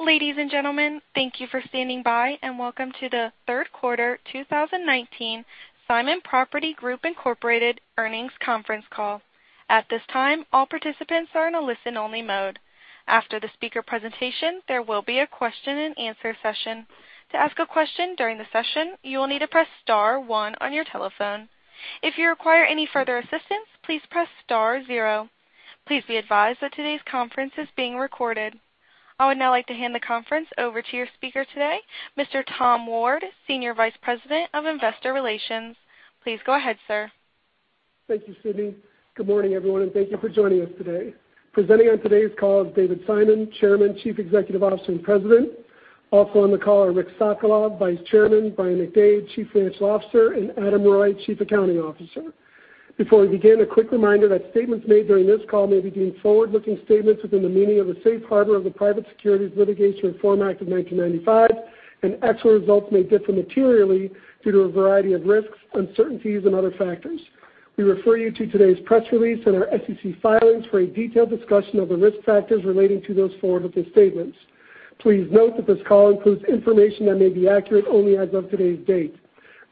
Ladies and gentlemen, thank you for standing by, and welcome to the third quarter 2019 Simon Property Group Incorporated earnings conference call. At this time, all participants are in a listen-only mode. After the speaker presentation, there will be a question and answer session. To ask a question during the session, you will need to press star one on your telephone. If you require any further assistance, please press star zero. Please be advised that today's conference is being recorded. I would now like to hand the conference over to your speaker today, Mr. Tom Ward, Senior Vice President of Investor Relations. Please go ahead, sir. Thank you, Sydney. Good morning, everyone, and thank you for joining us today. Presenting on today's call is David Simon, Chairman, Chief Executive Officer, and President. Also on the call are Rick Sokolov, Vice Chairman, Brian McDade, Chief Financial Officer, and Adam Reuille, Chief Accounting Officer. Before we begin, a quick reminder that statements made during this call may be deemed forward-looking statements within the meaning of the Safe Harbor of the Private Securities Litigation Reform Act of 1995, and actual results may differ materially due to a variety of risks, uncertainties, and other factors. We refer you to today's press release and our SEC filings for a detailed discussion of the risk factors relating to those forward-looking statements. Please note that this call includes information that may be accurate only as of today's date.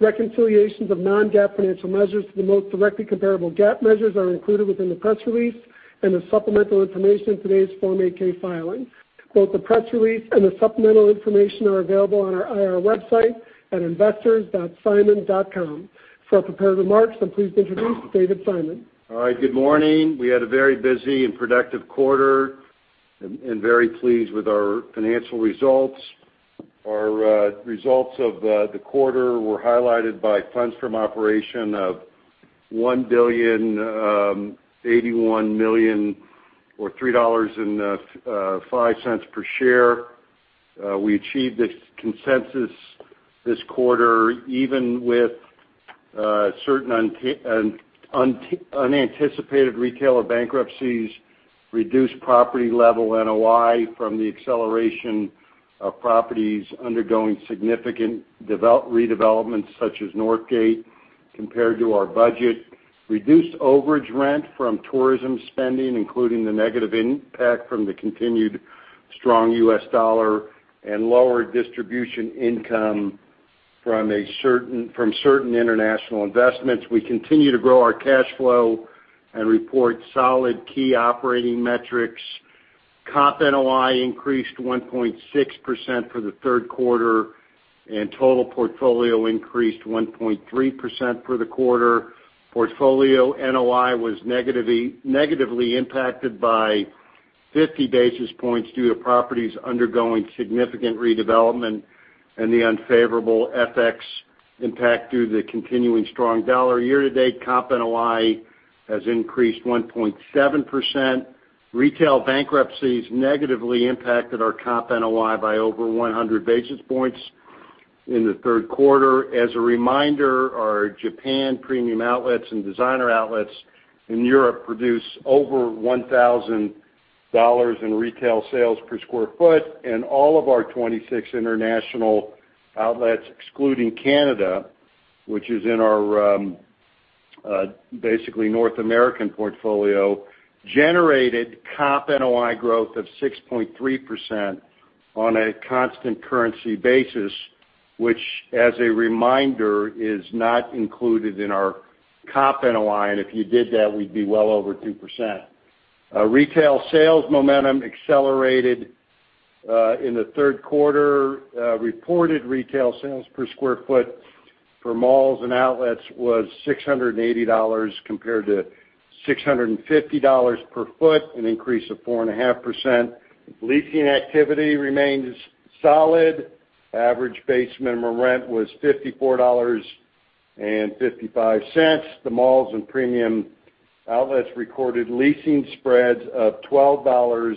Reconciliations of non-GAAP financial measures to the most directly comparable GAAP measures are included within the press release and the supplemental information in today's Form 8-K filing. Both the press release and the supplemental information are available on our IR website at investors.simon.com. For prepared remarks, I'm pleased to introduce David Simon. All right. Good morning. We had a very busy and productive quarter and very pleased with our financial results. Our results of the quarter were highlighted by funds from operation of $1 billion, $81 million, or $3.05 per share. We achieved this consensus this quarter, even with certain unanticipated retailer bankruptcies, reduced property level NOI from the acceleration of properties undergoing significant redevelopments, such as Northgate, compared to our budget, reduced overage rent from tourism spending, including the negative impact from the continued strong U.S. dollar, and lower distribution income from certain international investments. We continue to grow our cash flow and report solid key operating metrics. Comp NOI increased 1.6% for the third quarter, and total portfolio increased 1.3% for the quarter. Portfolio NOI was negatively impacted by 50 basis points due to properties undergoing significant redevelopment and the unfavorable FX impact due to the continuing strong dollar. Year-to-date, comp NOI has increased 1.7%. Retail bankruptcies negatively impacted our comp NOI by over 100 basis points in the third quarter. As a reminder, our Japan Premium Outlets and Designer Outlets in Europe produce over $1,000 in retail sales per square foot. All of our 26 international outlets, excluding Canada, which is in our basically North American portfolio, generated comp NOI growth of 6.3% on a constant currency basis, which, as a reminder, is not included in our comp NOI, and if you did that, we'd be well over 2%. Retail sales momentum accelerated in the third quarter. Reported retail sales per square foot for malls and outlets was $680 compared to $650 per foot, an increase of 4.5%. Leasing activity remains solid. Average base minimum rent was $54.55. The malls and Premium Outlets recorded leasing spreads of $12.10,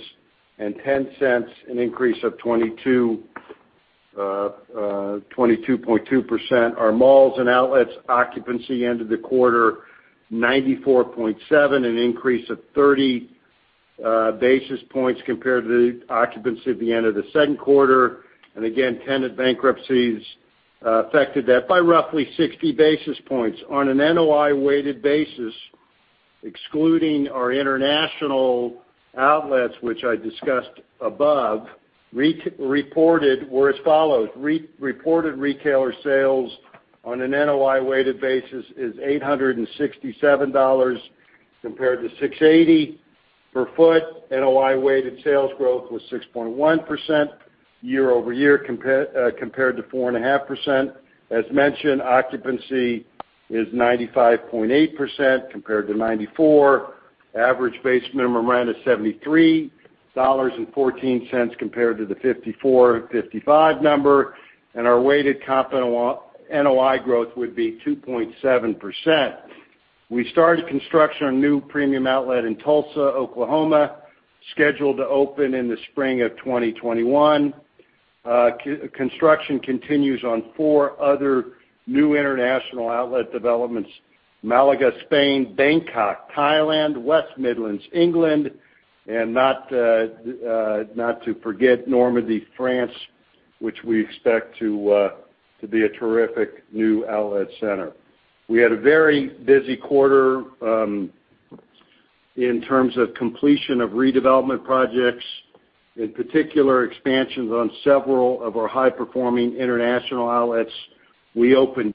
an increase of 22.2%. Our malls and outlets occupancy ended the quarter 94.7, an increase of 30 basis points compared to the occupancy at the end of the second quarter. Again, tenant bankruptcies affected that by roughly 60 basis points. On an NOI-weighted basis, excluding our international outlets, which I discussed above, were as follows: reported retailer sales on an NOI-weighted basis is $867 compared to $680 per foot. NOI-weighted sales growth was 6.1% year-over-year compared to 4.5%. As mentioned, occupancy is 95.8% compared to 94. Average base minimum rent is $73.14 compared to the $54.55 number. Our weighted comp NOI growth would be 2.7%. We started construction on a new Premium Outlet in Tulsa, Oklahoma, scheduled to open in the spring of 2021. Construction continues on four other new international outlet developments, Malaga, Spain, Bangkok, Thailand, West Midlands, England, and not to forget Normandy, France. Which we expect to be a terrific new outlet center. We had a very busy quarter in terms of completion of redevelopment projects, in particular, expansions on several of our high-performing international outlets. We opened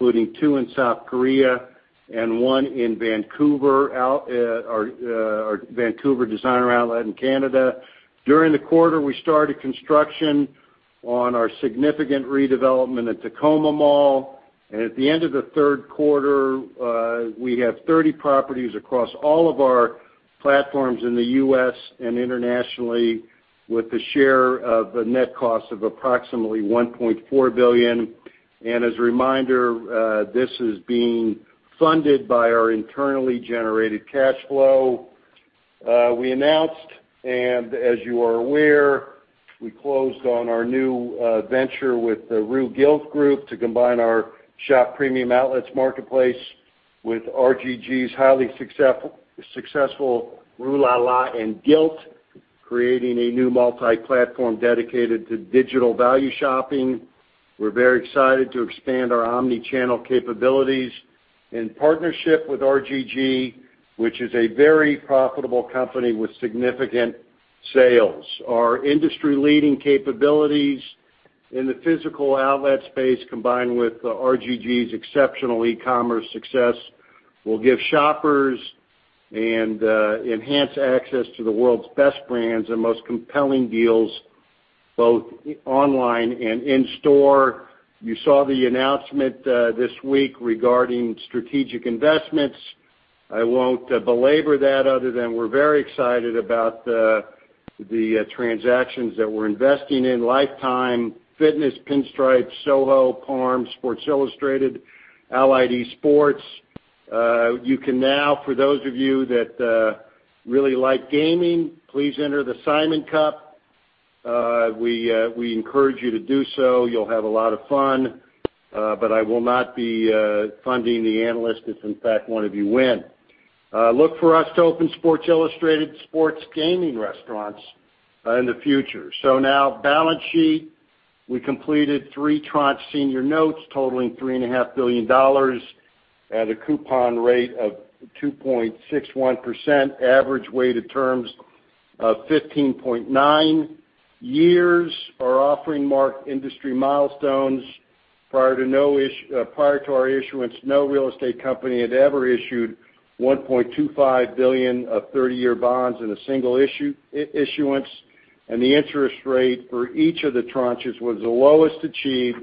including two in South Korea and one in Vancouver Designer Outlet in Canada. During the quarter, we started construction on our significant redevelopment at Tacoma Mall. At the end of the third quarter, we have 30 properties across all of our platforms in the U.S. and internationally, with the share of the net cost of approximately $1.4 billion. As a reminder, this is being funded by our internally generated cash flow. We announced, and as you are aware, we closed on our new venture with the Rue Gilt Groupe to combine our Shop Premium Outlets marketplace with RGG's highly successful Rue La La and Gilt, creating a new multi-platform dedicated to digital value shopping. We're very excited to expand our omni-channel capabilities in partnership with RGG, which is a very profitable company with significant sales. Our industry-leading capabilities in the physical outlet space, combined with RGG's exceptional e-commerce success, will give shoppers an enhanced access to the world's best brands and most compelling deals, both online and in store. You saw the announcement this week regarding strategic investments. I won't belabor that other than we're very excited about the transactions that we're investing in, Life Time, Pinstripes, Soho, Parm, Sports Illustrated, Allied Esports. You can now, for those of you that really like gaming, please enter the Simon Cup. We encourage you to do so. You'll have a lot of fun. I will not be funding the analyst if in fact one of you wins. Look for us to open Sports Illustrated sports gaming restaurants in the future. Now, balance sheet. We completed three tranche senior notes totaling $3.5 billion at a coupon rate of 2.61%, average weighted terms of 15.9 years. Our offering marked industry milestones. Prior to our issuance, no real estate company had ever issued $1.25 billion of 30-year bonds in a single issuance, and the interest rate for each of the tranches was the lowest achieved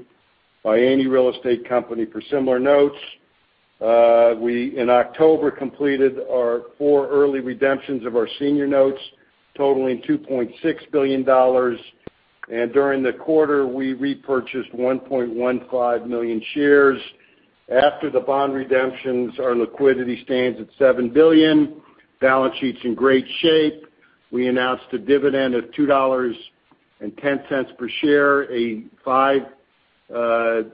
by any real estate company for similar notes. We, in October, completed our four early redemptions of our senior notes totaling $2.6 billion. During the quarter, we repurchased 1.15 million shares. After the bond redemptions, our liquidity stands at $7 billion. Balance sheet's in great shape. We announced a dividend of $2.10 per share, a 5%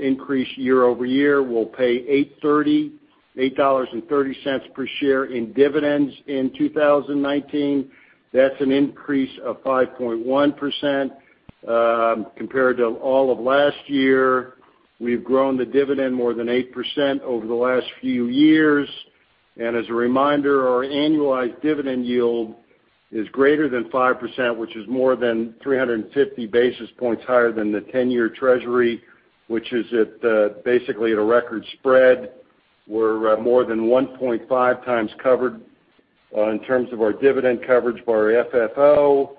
increase year-over-year. We'll pay $8.30 per share in dividends in 2019. That's an increase of 5.1% compared to all of last year. We've grown the dividend more than 8% over the last few years. As a reminder, our annualized dividend yield is greater than 5%, which is more than 350 basis points higher than the 10-year treasury, which is basically at a record spread. We're more than 1.5 times covered in terms of our dividend coverage for our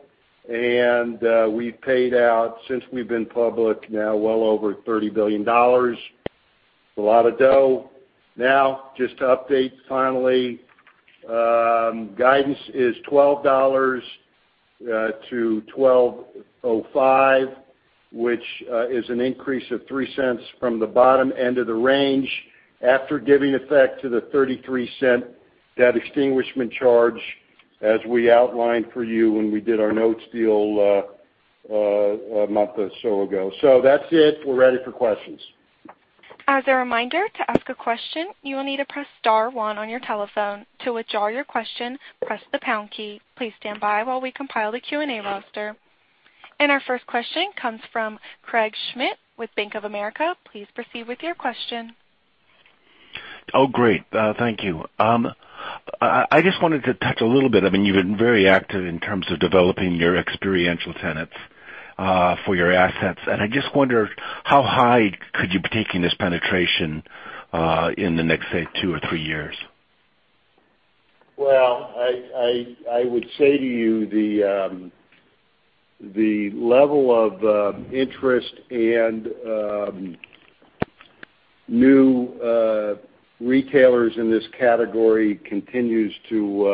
FFO. We've paid out, since we've been public now, well over $30 billion. A lot of dough. Just to update finally. Guidance is $12-$12.05, which is an increase of $0.03 from the bottom end of the range after giving effect to the $0.33 debt extinguishment charge as we outlined for you when we did our notes deal a month or so ago. That's it. We're ready for questions. As a reminder, to ask a question, you will need to press star one on your telephone. To withdraw your question, press the pound key. Please stand by while we compile the Q&A roster. Our first question comes from Craig Schmidt with Bank of America. Please proceed with your question. Oh, great. Thank you. I just wanted to touch a little bit, you've been very active in terms of developing your experiential tenants for your assets, and I just wonder how high could you be taking this penetration in the next, say, two or three years? Well, I would say to you, the level of interest and new retailers in this category continues to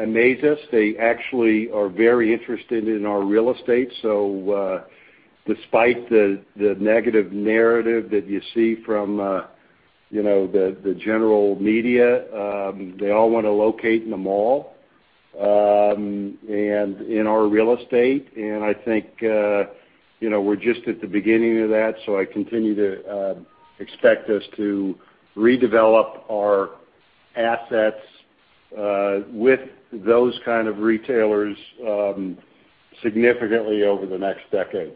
amaze us. They actually are very interested in our real estate. Despite the negative narrative that you see from the general media, they all want to locate in the mall and in our real estate, and I think we're just at the beginning of that. I continue to expect us to redevelop our assets with those kind of retailers significantly over the next decade.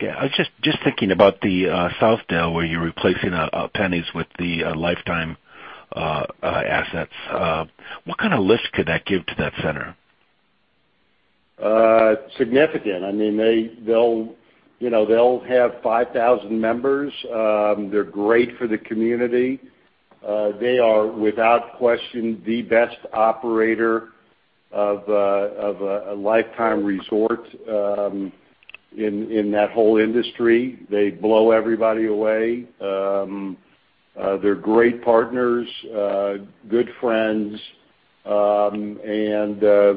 Yeah. I was just thinking about the Southdale, where you're replacing a Penney's with the Life Time assets. What kind of lift could that give to that center? Significant. They'll have 5,000 members. They're great for the community. They are, without question, the best operator of a Life Time resort in that whole industry. They blow everybody away. They're great partners, good friends.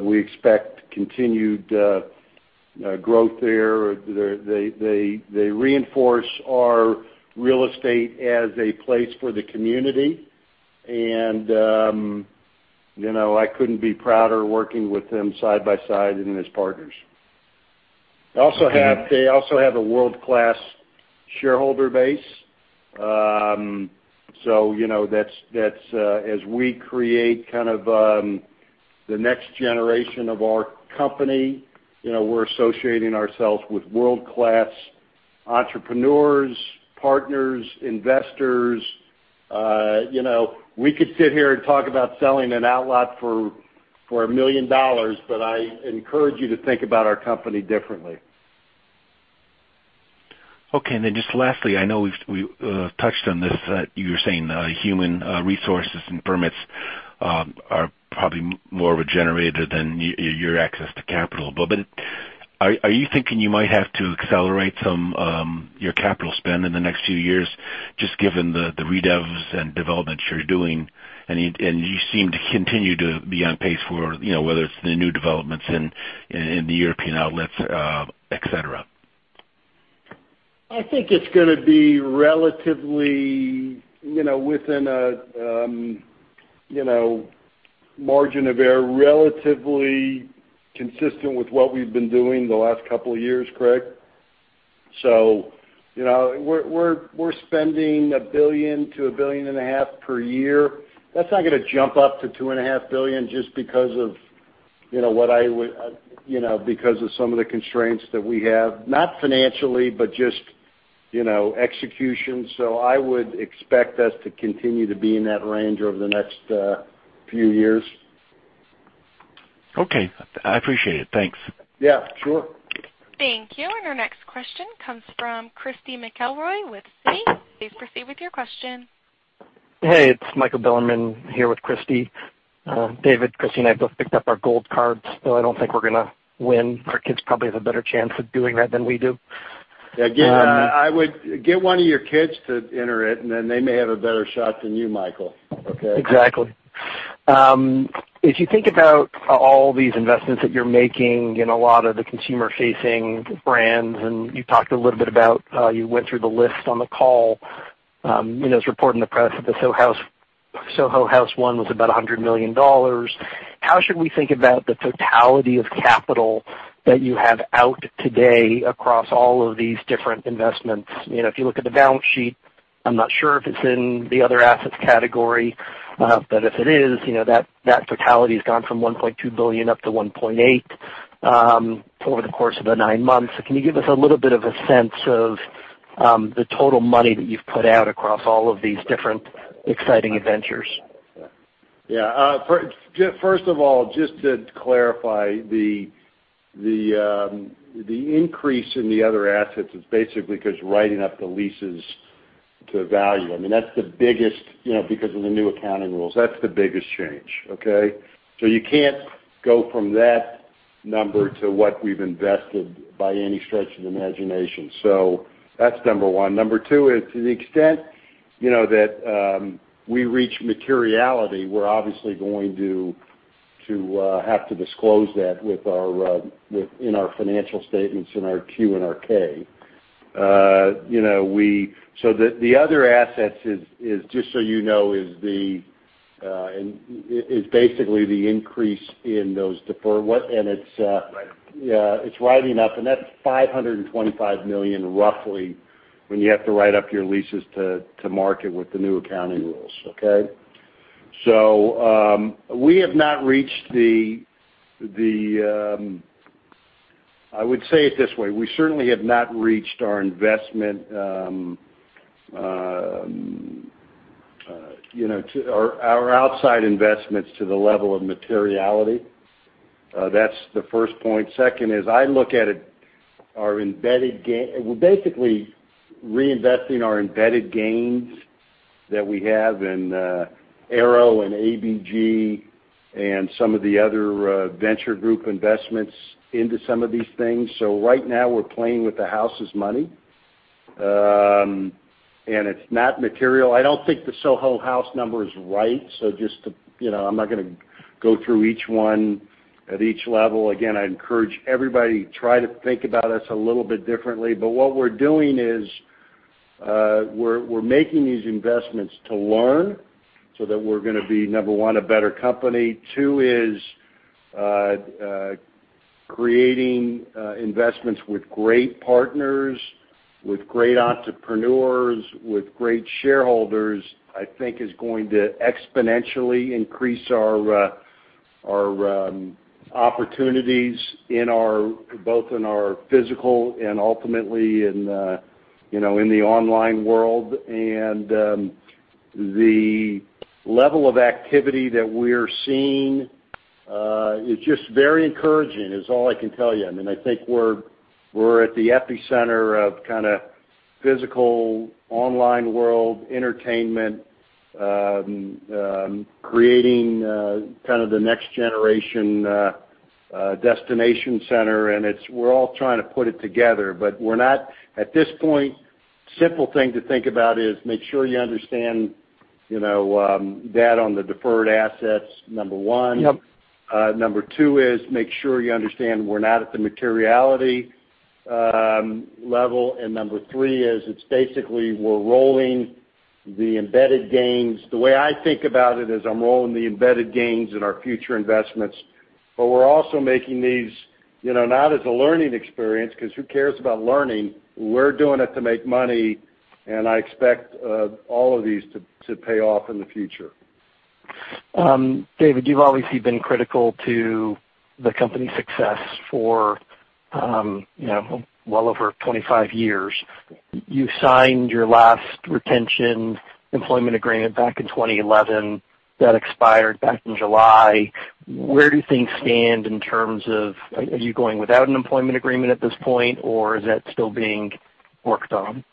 We expect continued growth there. They reinforce our real estate as a place for the community. I couldn't be prouder working with them side by side and as partners. Okay. They also have a world-class shareholder base. As we create kind of the next generation of our company, we're associating ourselves with world-class entrepreneurs, partners, investors. We could sit here and talk about selling an outlet for $1 million, but I encourage you to think about our company differently. Lastly, I know we've touched on this. You were saying human resources and permits are probably more of a generator than your access to capital. Are you thinking you might have to accelerate your capital spend in the next few years, just given the redevs and developments you're doing, and you seem to continue to be on pace for, whether it's the new developments in the European outlets, et cetera? I think it's going to be, within a margin of error, relatively consistent with what we've been doing the last couple of years, Craig. We're spending $1 billion-$1.5 billion per year. That's not going to jump up to $2.5 billion just because of some of the constraints that we have, not financially, but just execution. I would expect us to continue to be in that range over the next few years. Okay. I appreciate it. Thanks. Yeah, sure. Thank you. Our next question comes from Christy McElroy with Citi. Please proceed with your question. Hey, it's Michael Bilerman here with Christy. David, Christy and I both picked up our gold cards, though I don't think we're going to win. Our kids probably have a better chance of doing that than we do. Yeah, I would get one of your kids to enter it, and then they may have a better shot than you, Michael. Okay? Exactly. If you think about all these investments that you're making in a lot of the consumer-facing brands, you went through the list on the call. It was reported in the press that the Soho House one was about $100 million. How should we think about the totality of capital that you have out today across all of these different investments? If you look at the balance sheet, I'm not sure if it's in the other assets category, but if it is, that totality's gone from $1.2 billion up to $1.8 billion over the course of the nine months. Can you give us a little bit of a sense of the total money that you've put out across all of these different exciting ventures? Yeah. First of all, just to clarify, the increase in the other assets is basically because writing up the leases to value. Because of the new accounting rules, that's the biggest change, okay? You can't go from that number to what we've invested by any stretch of the imagination. That's number one. Number two is, to the extent that we reach materiality, we're obviously going to have to disclose that in our financial statements, in our Q and our K. The other assets is, just so you know, is basically the increase in those deferral. Right yeah, it's writing up, and that's $525 million, roughly, when you have to write up your leases to market with the new accounting rules, okay. I would say it this way. We certainly have not reached our outside investments to the level of materiality. That's the first point. Second is, I look at it, we're basically reinvesting our embedded gains that we have in Aéropostale and ABG and some of the other venture group investments into some of these things. Right now, we're playing with the house's money, and it's not material. I don't think the Soho House number is right. I'm not going to go through each one at each level. Again, I'd encourage everybody, try to think about us a little bit differently. What we're doing is, we're making these investments to learn so that we're going to be, number 1, a better company. Two is creating investments with great partners, with great entrepreneurs, with great shareholders, I think is going to exponentially increase our opportunities, both in our physical and ultimately in the online world. The level of activity that we're seeing is just very encouraging, is all I can tell you. I think we're at the epicenter of kind of physical, online world, entertainment, creating kind of the next generation destination center, and we're all trying to put it together. At this point, simple thing to think about is make sure you understand that on the deferred assets, number 1. Yep. Number two is make sure you understand we're not at the materiality level, and number three is it's basically we're rolling the embedded gains. The way I think about it is I'm rolling the embedded gains in our future investments, but we're also making these, not as a learning experience, because who cares about learning? We're doing it to make money, and I expect all of these to pay off in the future. David, you've obviously been critical to the company's success for well over 25 years. You signed your last retention employment agreement back in 2011. That expired back in July. Where do things stand in terms of are you going without an employment agreement at this point, or is that still being worked on?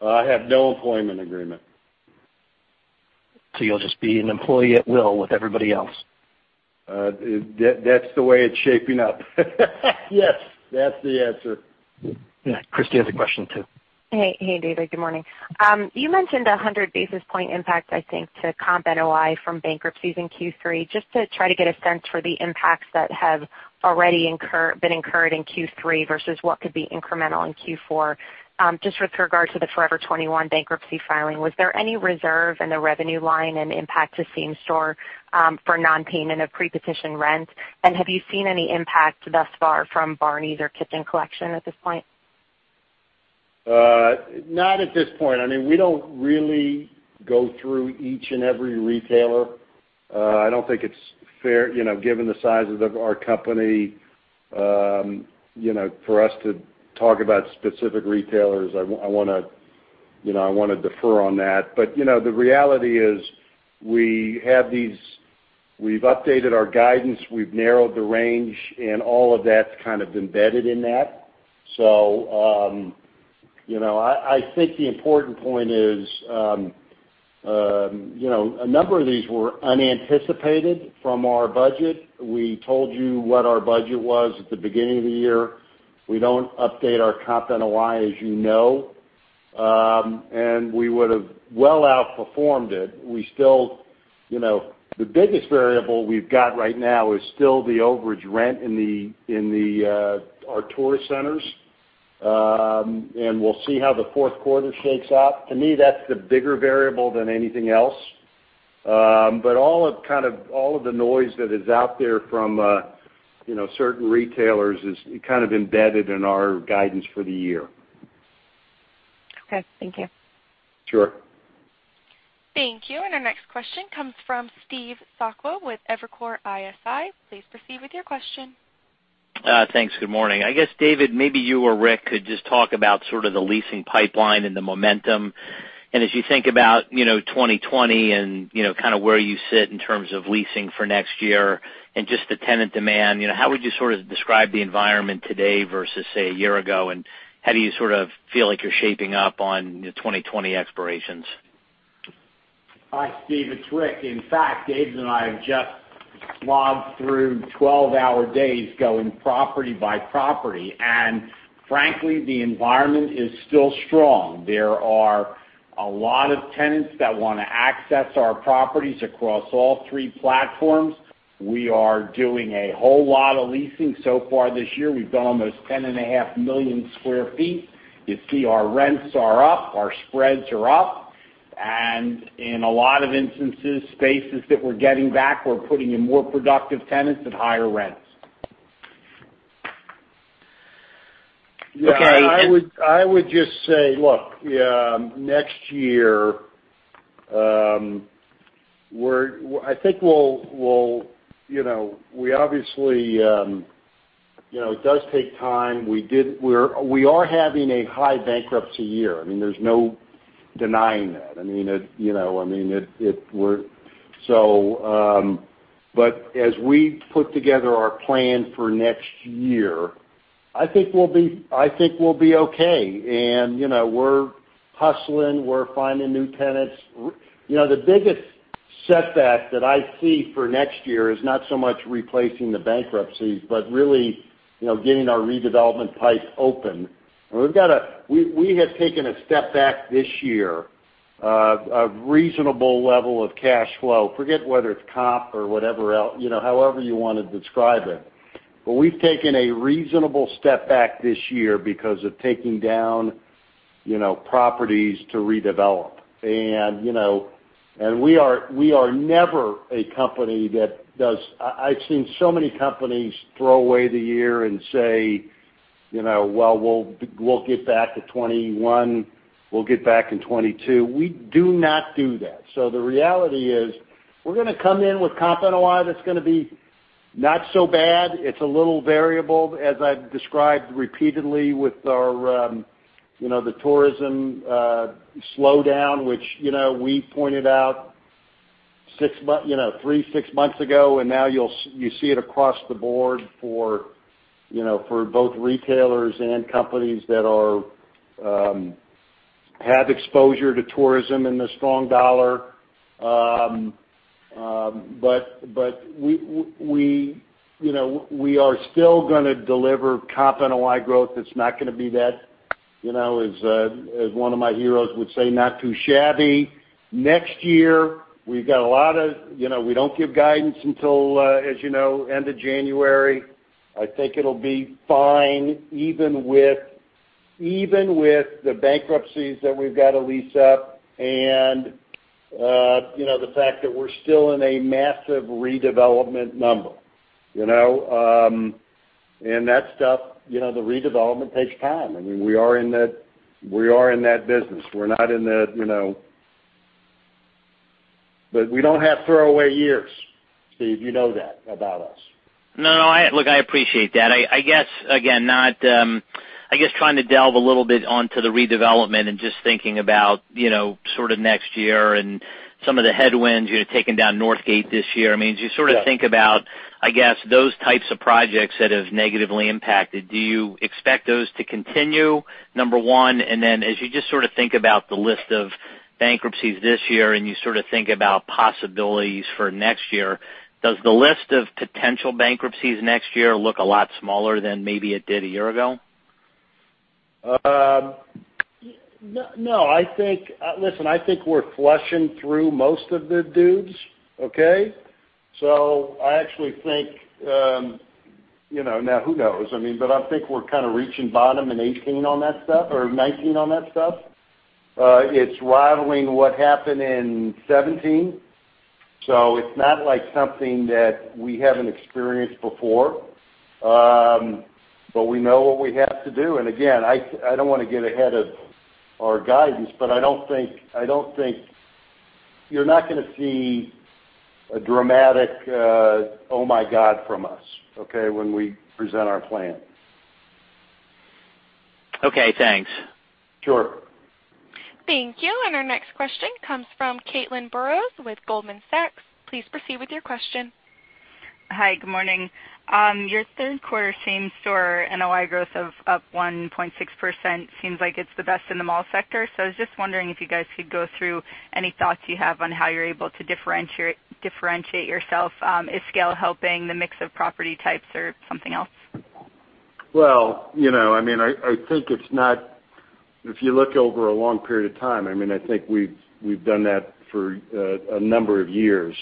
I have no employment agreement. You'll just be an employee at will with everybody else. That's the way it's shaping up. Yes, that's the answer. Yeah. Christy has a question too. Hey, David. Good morning. You mentioned 100 basis point impact, I think, to comp NOI from bankruptcies in Q3. Just to try to get a sense for the impacts that have already been incurred in Q3 versus what could be incremental in Q4, just with regard to the Forever 21 bankruptcy filing, was there any reserve in the revenue line and impact to same store for non-payment of pre-petition rent? Have you seen any impact thus far from Barneys or Kitson at this point? Not at this point. We don't really go through each and every retailer. I don't think it's fair, given the size of our company, for us to talk about specific retailers. I want to defer on that. The reality is, we've updated our guidance, we've narrowed the range, and all of that's kind of embedded in that. I think the important point is, a number of these were unanticipated from our budget. We told you what our budget was at the beginning of the year. We don't update our comp NOI, as you know. We would've well outperformed it. The biggest variable we've got right now is still the overage rent in our tourist centers, and we'll see how the fourth quarter shakes out. To me, that's the bigger variable than anything else. All of the noise that is out there from certain retailers is kind of embedded in our guidance for the year. Okay. Thank you. Sure. Thank you. Our next question comes from Steve Sakwa with Evercore ISI. Please proceed with your question. Thanks. Good morning. I guess, David, maybe you or Rick could just talk about sort of the leasing pipeline and the momentum, and as you think about 2020 and kind of where you sit in terms of leasing for next year and just the tenant demand, how would you sort of describe the environment today versus, say, a year ago, and how do you sort of feel like you're shaping up on 2020 expirations? Hi, Steve. It's Rick. In fact, David and I have just slogged through 12-hour days going property by property, and frankly, the environment is still strong. There are a lot of tenants that want to access our properties across all three platforms. We are doing a whole lot of leasing so far this year. We've done almost 10.5 million square feet. You see our rents are up, our spreads are up. In a lot of instances, spaces that we're getting back, we're putting in more productive tenants at higher rents. Okay. I would just say, look, next year, it does take time. We are having a high bankruptcy year. There's no denying that. As we put together our plan for next year, I think we'll be okay. We're hustling, we're finding new tenants. The biggest setback that I see for next year is not so much replacing the bankruptcies, but really getting our redevelopment pipe open. We have taken a step back this year, a reasonable level of cash flow. Forget whether it's comp or however you want to describe it. We've taken a reasonable step back this year because of taking down properties to redevelop. We are never a company that does. I've seen so many companies throw away the year and say, "Well, we'll get back to 2021. We'll get back in 2022." We do not do that. The reality is, we're going to come in with comp NOI that's going to be not so bad. It's a little variable, as I've described repeatedly with the tourism slowdown, which we pointed out three, six months ago, and now you see it across the board for both retailers and companies that have exposure to tourism and the strong dollar. We are still going to deliver comp NOI growth that's not going to be that, as one of my heroes would say, not too shabby. Next year, we don't give guidance until, as you know, end of January. I think it'll be fine even with the bankruptcies that we've got to lease up and the fact that we're still in a massive redevelopment number. That stuff, the redevelopment takes time. We are in that business. We don't have throwaway years, Steve. You know that about us. No, look, I appreciate that. I guess, again, trying to delve a little bit onto the redevelopment and just thinking about sort of next year and some of the headwinds. You're taking down Northgate this year. As you sort of think about, I guess, those types of projects that have negatively impacted, do you expect those to continue, number one? As you just sort of think about the list of bankruptcies this year and you sort of think about possibilities for next year, does the list of potential bankruptcies next year look a lot smaller than maybe it did a year ago? No. Listen, I think we're flushing through most of the dudes, okay? I actually think Now, who knows? I think we're kind of reaching bottom in 2018 on that stuff, or 2019 on that stuff. It's rivaling what happened in 2017. It's not like something that we haven't experienced before. We know what we have to do. Again, I don't want to get ahead of our guidance, but you're not going to see a dramatic, "Oh my God" from us, okay, when we present our plan. Okay, thanks. Sure. Thank you. Our next question comes from Caitlin Burrows with Goldman Sachs. Please proceed with your question. Hi, good morning. Your third quarter same store NOI growth of up 1.6% seems like it's the best in the mall sector. I was just wondering if you guys could go through any thoughts you have on how you're able to differentiate yourself. Is scale helping the mix of property types or something else? Well, if you look over a long period of time, I think we've done that for a number of years.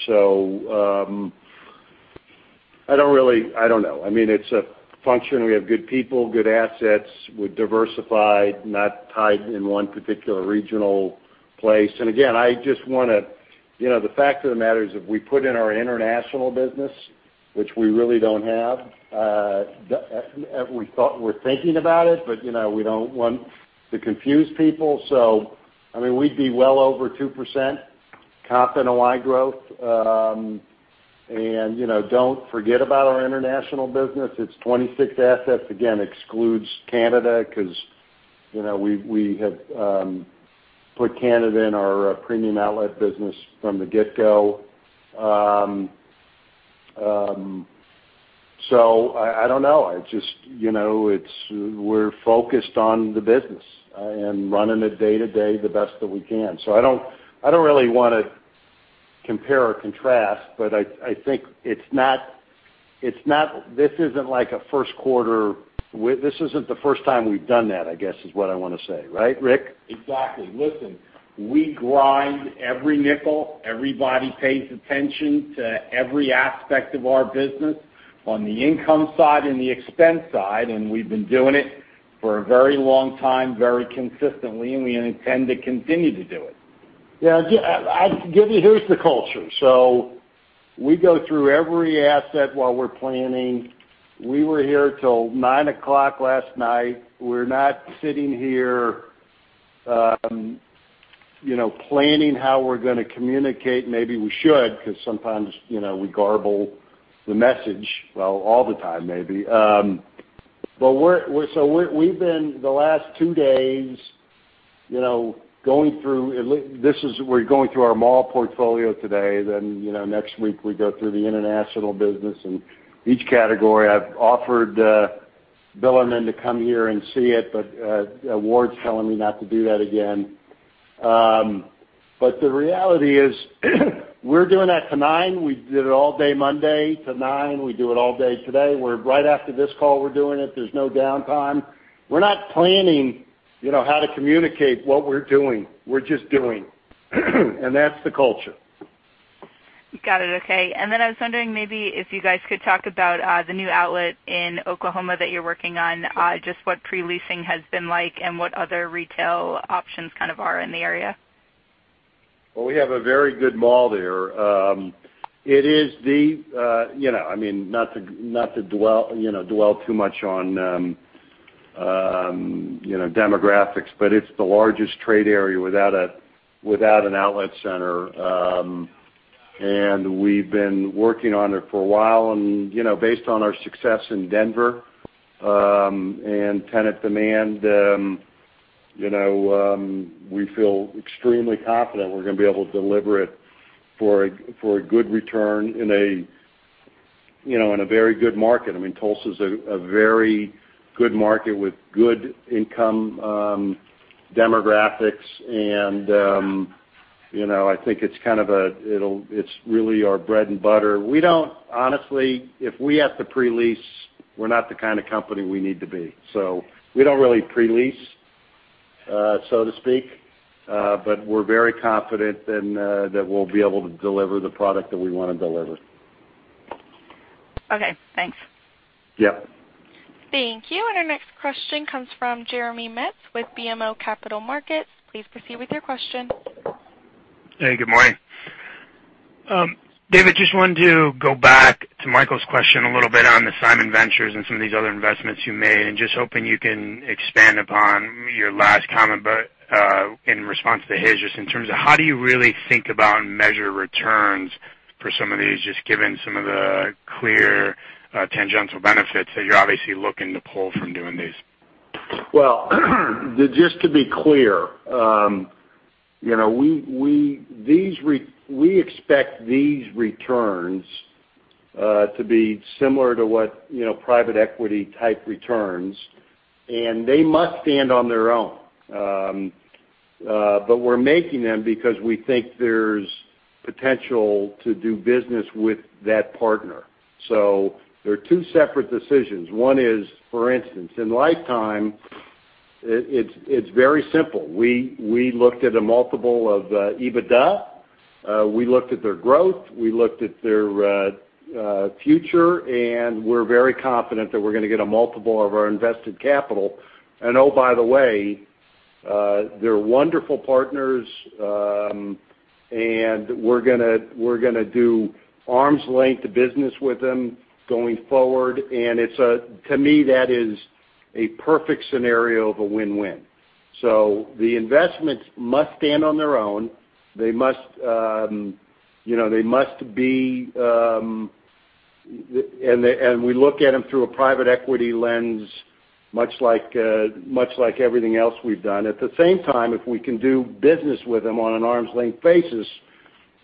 I don't know. It's a function. We have good people, good assets. We're diversified, not tied in one particular regional place. Again, the fact of the matter is, if we put in our international business, which we really don't have, we're thinking about it, but we don't want to confuse people. We'd be well over 2% comp NOI growth. Don't forget about our international business. It's 26 assets. Again, excludes Canada because we had put Canada in our premium outlet business from the get-go. I don't know. We're focused on the business and running it day to day the best that we can. I don't really want to compare or contrast, but this isn't the first time we've done that, I guess, is what I want to say. Right, Rick? Exactly. Listen, we grind every nickel. Everybody pays attention to every aspect of our business on the income side and the expense side, and we've been doing it for a very long time, very consistently, and we intend to continue to do it. Yeah. Here's the culture. We go through every asset while we're planning. We were here till 9:00 last night. We're not sitting here planning how we're going to communicate. Maybe we should, because sometimes we garble the message. Well, all the time, maybe. We've been, the last two days, going through our mall portfolio today, then next week, we go through the international business and each category. I've offered Bilerman to come here and see it, but Ward's telling me not to do that again. The reality is, we're doing that tonight. We did it all day Monday to 9:00. We do it all day today. Right after this call, we're doing it. There's no downtime. We're not planning how to communicate what we're doing. We're just doing. That's the culture. Got it. Okay. I was wondering maybe if you guys could talk about the new outlet in Oklahoma that you're working on, just what pre-leasing has been like and what other retail options kind of are in the area. Well, we have a very good mall there. Not to dwell too much on demographics, it's the largest trade area without an outlet center. We've been working on it for a while and based on our success in Denver, and tenant demand, we feel extremely confident we're going to be able to deliver it for a good return in a very good market. Tulsa is a very good market with good income demographics and I think it's really our bread and butter. Honestly, if we have to pre-lease, we're not the kind of company we need to be. We don't really pre-lease, so to speak. We're very confident that we'll be able to deliver the product that we want to deliver. Okay, thanks. Yeah. Thank you. Our next question comes from Jeremy Metz with BMO Capital Markets. Please proceed with your question. Hey, good morning. David, just wanted to go back to Michael's question a little bit on the Simon Ventures and some of these other investments you made, and just hoping you can expand upon your last comment, but, in response to his, just in terms of how do you really think about and measure returns for some of these, just given some of the clear tangential benefits that you're obviously looking to pull from doing these? Well, just to be clear, we expect these returns to be similar to what private equity type returns, and they must stand on their own. We're making them because we think there's potential to do business with that partner. They're two separate decisions. One is, for instance, in Life Time, it's very simple. We looked at a multiple of EBITDA, we looked at their growth, we looked at their future, and we're very confident that we're going to get a multiple of our invested capital. Oh, by the way, they're wonderful partners, and we're going to do arm's length business with them going forward, and to me, that is a perfect scenario of a win-win. The investments must stand on their own. We look at them through a private equity lens, much like everything else we've done. At the same time, if we can do business with them on an arm's length basis,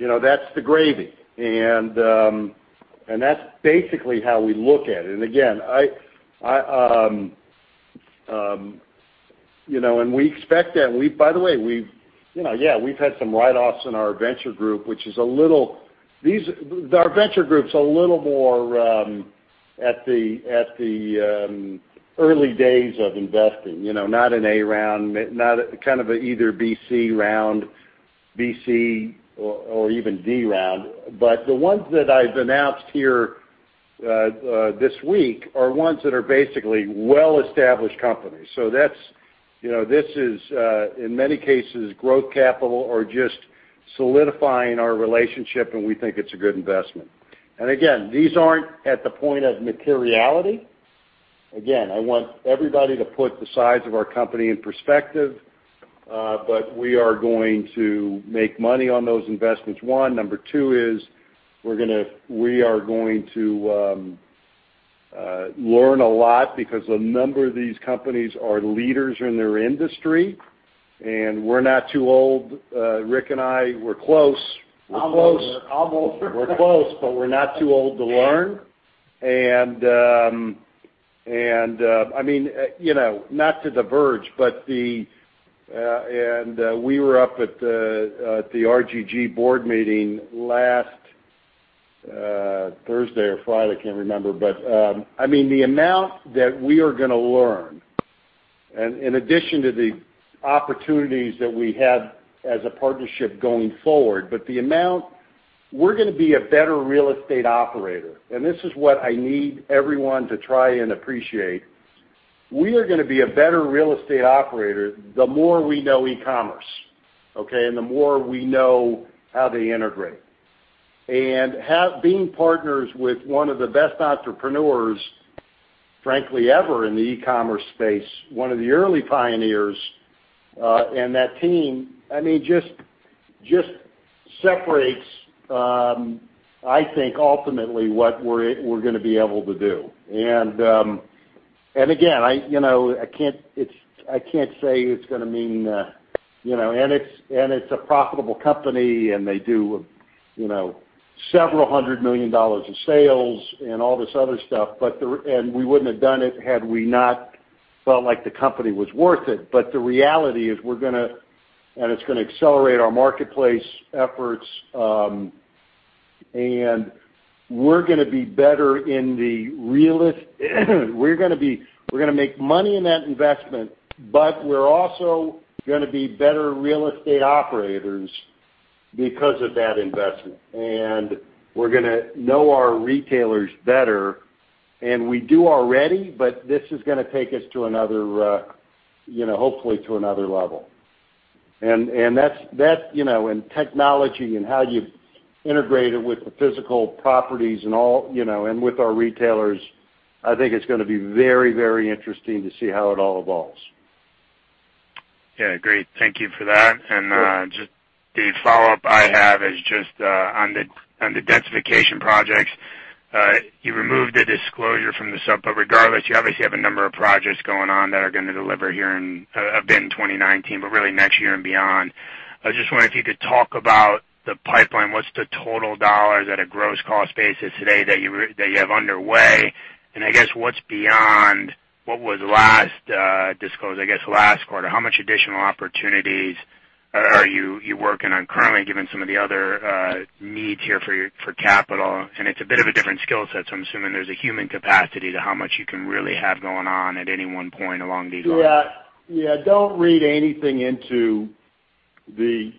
that's the gravy. That's basically how we look at it. Again, we expect that. By the way, we've had some write-offs in our venture group, our venture group's a little more at the early days of investing. Not an A round, kind of either BC round or even D round. The ones that I've announced here this week are ones that are basically well-established companies. This is, in many cases, growth capital or just solidifying our relationship, and we think it's a good investment. Again, these aren't at the point of materiality. Again, I want everybody to put the size of our company in perspective, we are going to make money on those investments. Number two is we are going to learn a lot because a number of these companies are leaders in their industry. We're not too old, Rick and I, we're close. I'm older. We're close. We're close, but we're not too old to learn. Not to diverge, we were up at the RGG board meeting last Thursday or Friday, I can't remember. The amount that we are going to learn, and in addition to the opportunities that we have as a partnership going forward, but the amount We're going to be a better real estate operator. This is what I need everyone to try and appreciate. We are going to be a better real estate operator the more we know e-commerce, okay? The more we know how they integrate. Being partners with one of the best entrepreneurs, frankly, ever in the e-commerce space, one of the early pioneers, and that team, just separates, I think, ultimately, what we're going to be able to do. Again, it's a profitable company, and they do several hundred million dollars of sales and all this other stuff. We wouldn't have done it had we not felt like the company was worth it. The reality is, it's going to accelerate our marketplace efforts. We're going to make money in that investment, but we're also going to be better real estate operators because of that investment. We're going to know our retailers better, and we do already, but this is going to take us, hopefully, to another level. Technology and how you integrate it with the physical properties and with our retailers, I think it's going to be very interesting to see how it all evolves. Yeah, great. Thank you for that. Sure. Just the follow-up I have is just on the densification projects. You removed the disclosure from the sub, but regardless, you obviously have a number of projects going on that are going to deliver here a bit in 2019, but really next year and beyond. I just wondered if you could talk about the pipeline. What's the total dollars at a gross cost basis today that you have underway, and I guess what's beyond what was last disclosed, I guess, last quarter? How much additional opportunities are you working on currently, given some of the other needs here for capital? It's a bit of a different skill set, so I'm assuming there's a human capacity to how much you can really have going on at any one point along these lines. Yeah. Don't read anything into the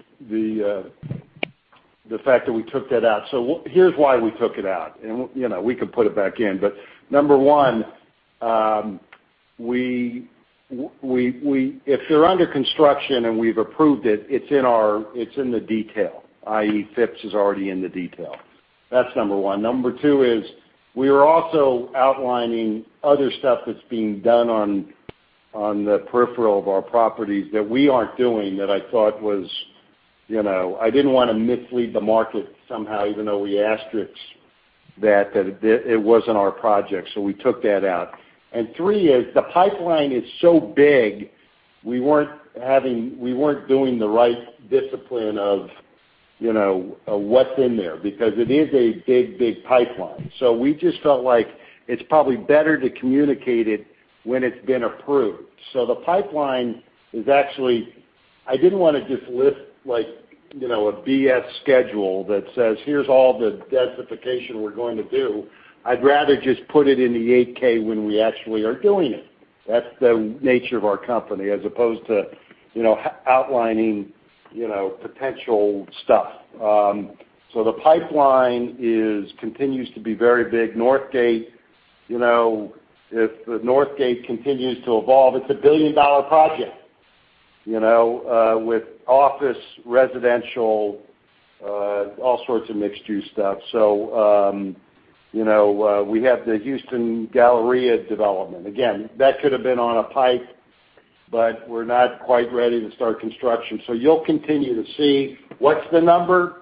fact that we took that out. Here's why we took it out, and we could put it back in. Number one, if they're under construction and we've approved it's in the detail, i.e., Phipps is already in the detail. That's number one. Number two is we are also outlining other stuff that's being done on the peripheral of our properties that we aren't doing, I didn't want to mislead the market somehow, even though we asterisks that it wasn't our project. We took that out. Three is the pipeline is so big, we weren't doing the right discipline of what's in there because it is a big pipeline. We just felt like it's probably better to communicate it when it's been approved. The pipeline is actually, I didn't want to just list a BS schedule that says, "Here's all the densification we're going to do." I'd rather just put it in the 8-K when we actually are doing it. That's the nature of our company, as opposed to outlining potential stuff. The pipeline continues to be very big. If the Northgate continues to evolve, it's a $1 billion project with office, residential, all sorts of mixed-use stuff. We have the Houston Galleria development. Again, that could have been on a pipe, but we're not quite ready to start construction. You'll continue to see. What's the number?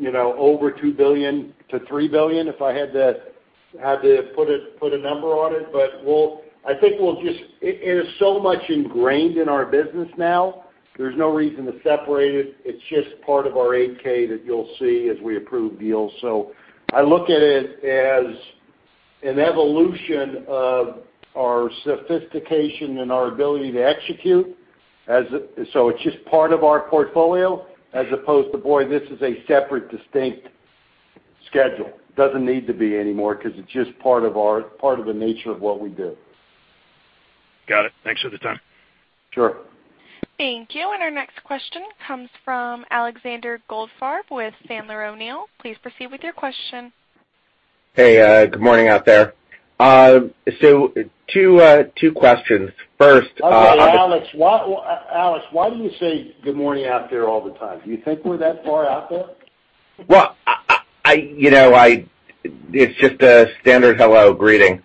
Over $2 billion-$3 billion, if I had to put a number on it. I think it is so much ingrained in our business now, there's no reason to separate it. It's just part of our 8-K that you'll see as we approve deals. I look at it as an evolution of our sophistication and our ability to execute. It's just part of our portfolio as opposed to, boy, this is a separate, distinct schedule. It doesn't need to be anymore because it's just part of the nature of what we do. Got it. Thanks for the time. Sure. Thank you. Our next question comes from Alexander Goldfarb with Sandler O'Neill. Please proceed with your question. Hey, good morning out there. Two questions. Okay, Alex, why do you say good morning out there all the time? Do you think we're that far out there? Well, it's just a standard hello greeting.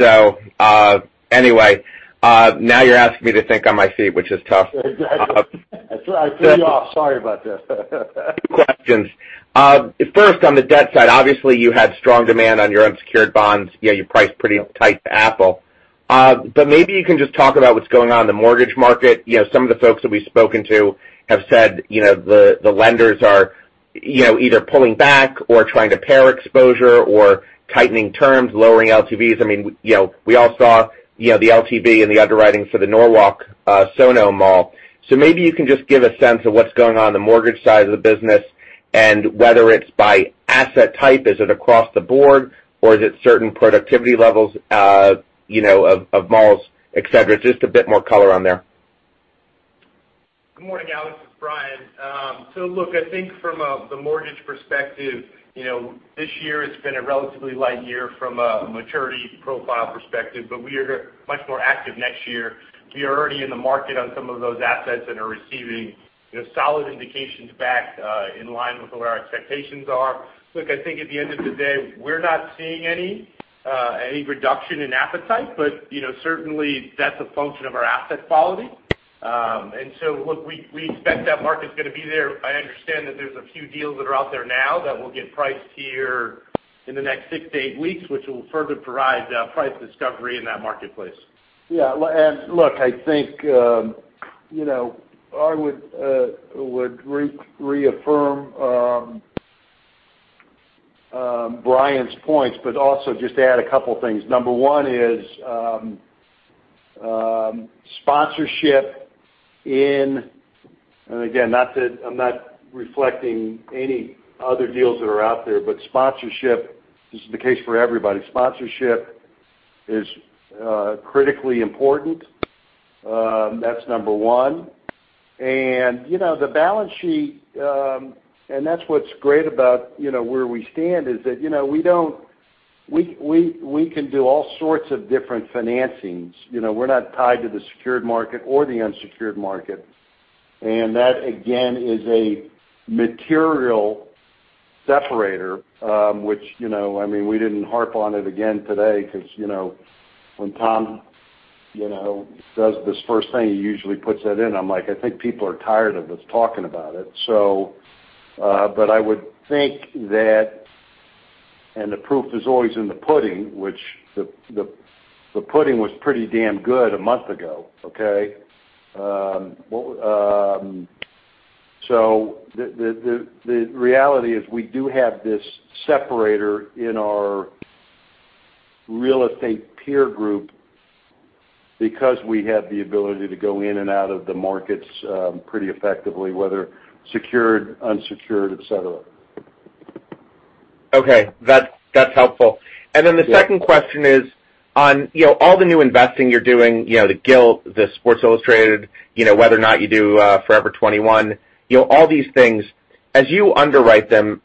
Okay. Anyway, now you're asking me to think on my feet, which is tough. Exactly. I threw you off. Sorry about that. Two questions. First, on the debt side, obviously you had strong demand on your unsecured bonds. You priced pretty tight to Apple. Maybe you can just talk about what's going on in the mortgage market. Some of the folks that we've spoken to have said the lenders are either pulling back or trying to pare exposure or tightening terms, lowering LTVs. We all saw the LTV and the underwriting for The SoNo Collection. Maybe you can just give a sense of what's going on in the mortgage side of the business and whether it's by asset type. Is it across the board, or is it certain productivity levels of malls, et cetera? Just a bit more color on there. Good morning, Alex. It's Brian. Look, I think from the mortgage perspective, this year it's been a relatively light year from a maturity profile perspective, but we are much more active next year. We are already in the market on some of those assets and are receiving solid indications back in line with where our expectations are. Look, I think at the end of the day, we're not seeing any reduction in appetite, but certainly that's a function of our asset quality. Look, we expect that market's going to be there. I understand that there's a few deals that are out there now that will get priced here in the next 6-8 weeks, which will further provide price discovery in that marketplace. Yeah. Look, I think, I would reaffirm Brian's points, but also just to add a couple things. Number one is sponsorship in, again, I'm not reflecting any other deals that are out there, but this is the case for everybody. Sponsorship is critically important. That's number one. The balance sheet, that's what's great about where we stand is that we can do all sorts of different financings. We're not tied to the secured market or the unsecured market. That, again, is a material separator, which I mean, we didn't harp on it again today because when Tom does this first thing, he usually puts that in. I'm like, "I think people are tired of us talking about it." I would think that, and the proof is always in the pudding, which the pudding was pretty damn good a month ago, okay? The reality is we do have this separator in our real estate peer group because we have the ability to go in and out of the markets pretty effectively, whether secured, unsecured, et cetera. Okay. That's helpful. Yeah. The second question is on all the new investing you're doing, the Gilt, the Sports Illustrated, whether or not you do Forever 21. All these things, as you underwrite them,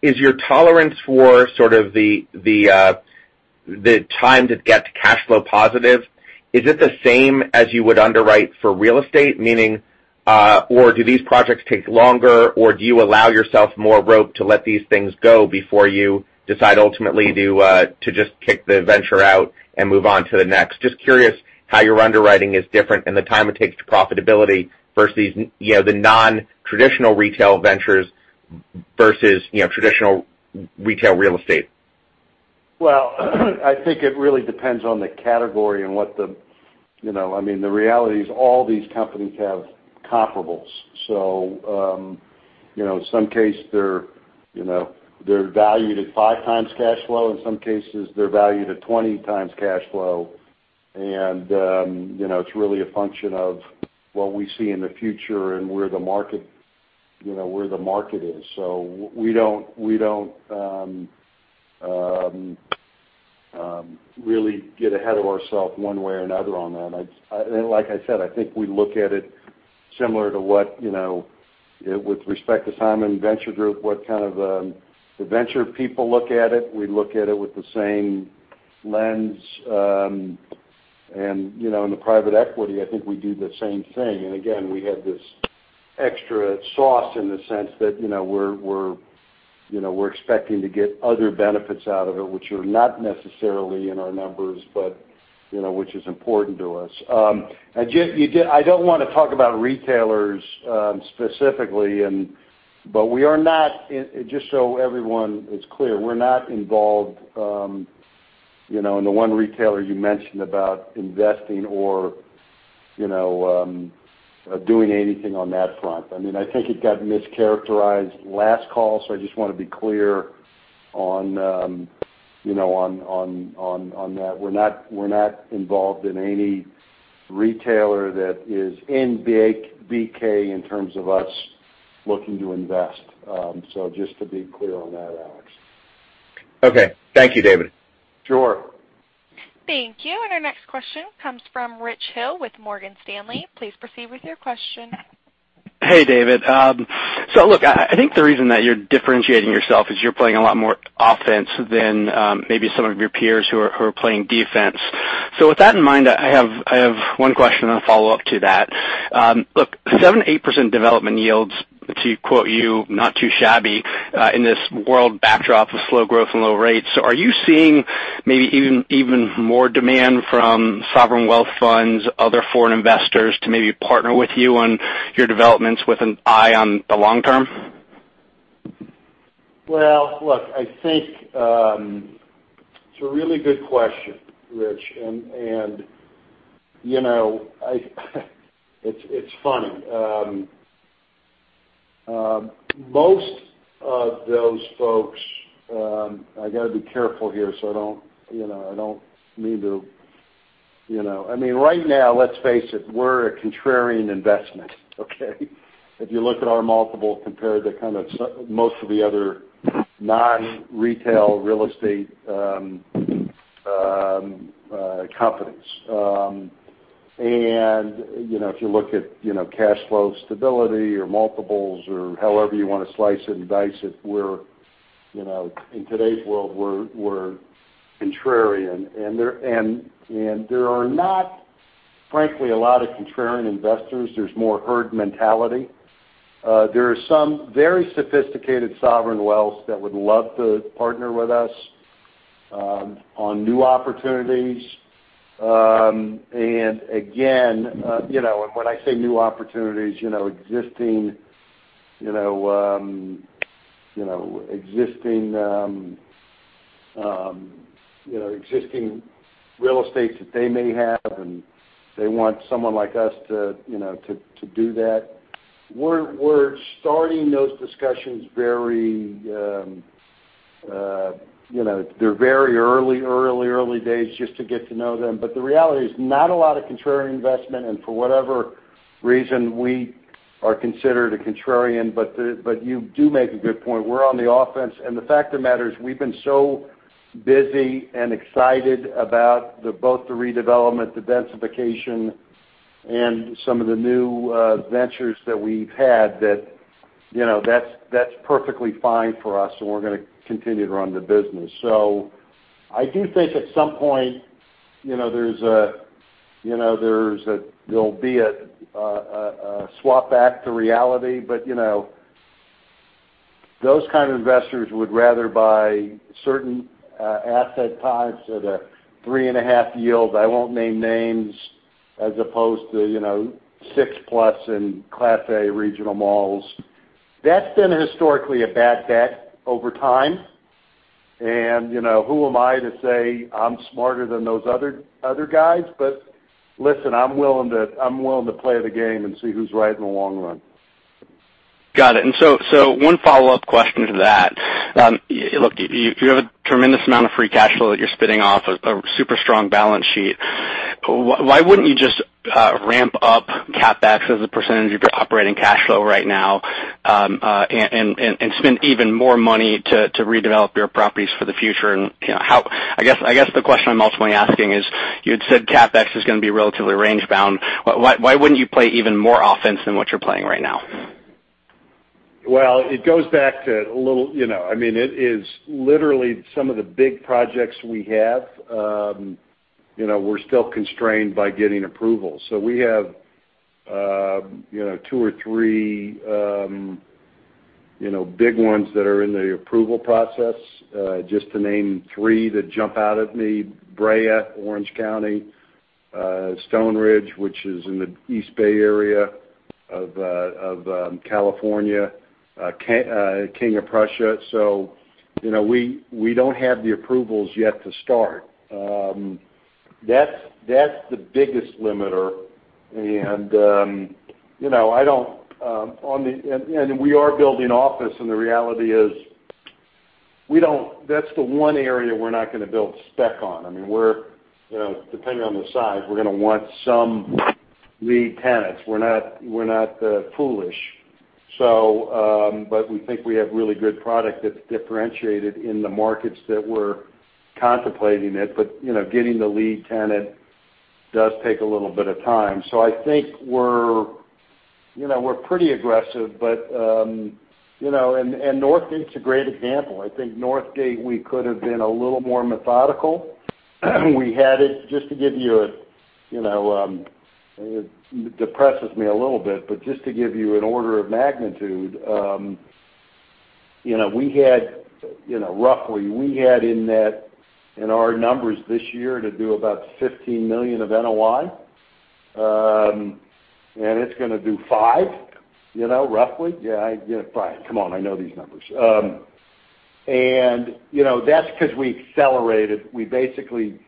is your tolerance for sort of the time to get to cash flow positive, is it the same as you would underwrite for real estate? Do these projects take longer, or do you allow yourself more rope to let these things go before you decide ultimately to just kick the venture out and move on to the next? Just curious how your underwriting is different and the time it takes to profitability versus the non-traditional retail ventures versus traditional retail real estate. Well, I think it really depends on the category. I mean, the reality is all these companies have comparables. In some case, they're valued at 5x cash flow. In some cases, they're valued at 20x cash flow. It's really a function of what we see in the future and where the market is. We don't really get ahead of ourself one way or another on that. Like I said, I think we look at it similar to with respect to Simon Ventures, what kind of the venture people look at it. We look at it with the same lens. In the private equity, I think we do the same thing. Again, we have this extra sauce in the sense that we're expecting to get other benefits out of it, which are not necessarily in our numbers, but which is important to us. I don't want to talk about retailers, specifically. Just so everyone is clear, we're not involved in the one retailer you mentioned about investing or doing anything on that front. I mean, I think it got mischaracterized last call, so I just want to be clear on that. We're not involved in any retailer that is in BK, in terms of us looking to invest. Just to be clear on that, Alex. Okay. Thank you, David. Sure. Thank you. Our next question comes from Richard Hill with Morgan Stanley. Please proceed with your question. Hey, David. Look, I think the reason that you're differentiating yourself is you're playing a lot more offense than maybe some of your peers who are playing defense. With that in mind, I have one question and a follow-up to that. Look, 7%, 8% development yields, to quote you, "Not too shabby," in this world backdrop of slow growth and low rates. Are you seeing maybe even more demand from sovereign wealth funds, other foreign investors to maybe partner with you on your developments with an eye on the long term? Well, look, I think it's a really good question, Rich. It's funny. Most of those folks, I got to be careful here, I mean, right now, let's face it, we're a contrarian investment, okay? If you look at our multiple compared to kind of most of the other non-retail real estate companies. If you look at cash flow stability or multiples or however you want to slice it and dice it, in today's world, we're contrarian. There are not, frankly, a lot of contrarian investors. There's more herd mentality. There are some very sophisticated sovereign wealth that would love to partner with us on new opportunities. Again, when I say new opportunities, existing real estate that they may have, and they want someone like us to do that. We're starting those discussions. They're very early days just to get to know them. The reality is, not a lot of contrarian investment, and for whatever reason, we are considered a contrarian. You do make a good point. We're on the offense, and the fact of the matter is, we've been so busy and excited about both the redevelopment, the densification, and some of the new ventures that we've had that's perfectly fine for us, and we're going to continue to run the business. I do think at some point, there'll be a swap back to reality. Those kind of investors would rather buy certain asset types at a three and a half yield, I won't name names, as opposed to 6-plus in class A regional malls. That's been historically a bad bet over time. Who am I to say I'm smarter than those other guys? Listen, I'm willing to play the game and see who's right in the long run. Got it. One follow-up question to that. Look, you have a tremendous amount of free cash flow that you're spitting off, a super strong balance sheet. Why wouldn't you just ramp up CapEx as a percentage of your operating cash flow right now, and spend even more money to redevelop your properties for the future? I guess the question I'm ultimately asking is, you had said CapEx is going to be relatively range bound. Why wouldn't you play even more offense than what you're playing right now? It goes back to literally some of the big projects we have. We're still constrained by getting approval. We have two or three big ones that are in the approval process. Just to name three that jump out at me, Brea, Orange County, Stoneridge, which is in the East Bay area of California, King of Prussia. We don't have the approvals yet to start. That's the biggest limiter. We are building office and the reality is, that's the one area we're not going to build spec on. Depending on the size, we're going to want some lead tenants. We're not foolish. We think we have really good product that's differentiated in the markets that we're contemplating it. Getting the lead tenant does take a little bit of time. I think we're pretty aggressive. Northgate's a great example. I think Northgate, we could have been a little more methodical. Just to give you, it depresses me a little bit, but just to give you an order of magnitude, roughly we had in our numbers this year to do about $15 million of NOI, and it's going to do $5, roughly. Yeah, $5. Come on, I know these numbers. That's because we accelerated. We basically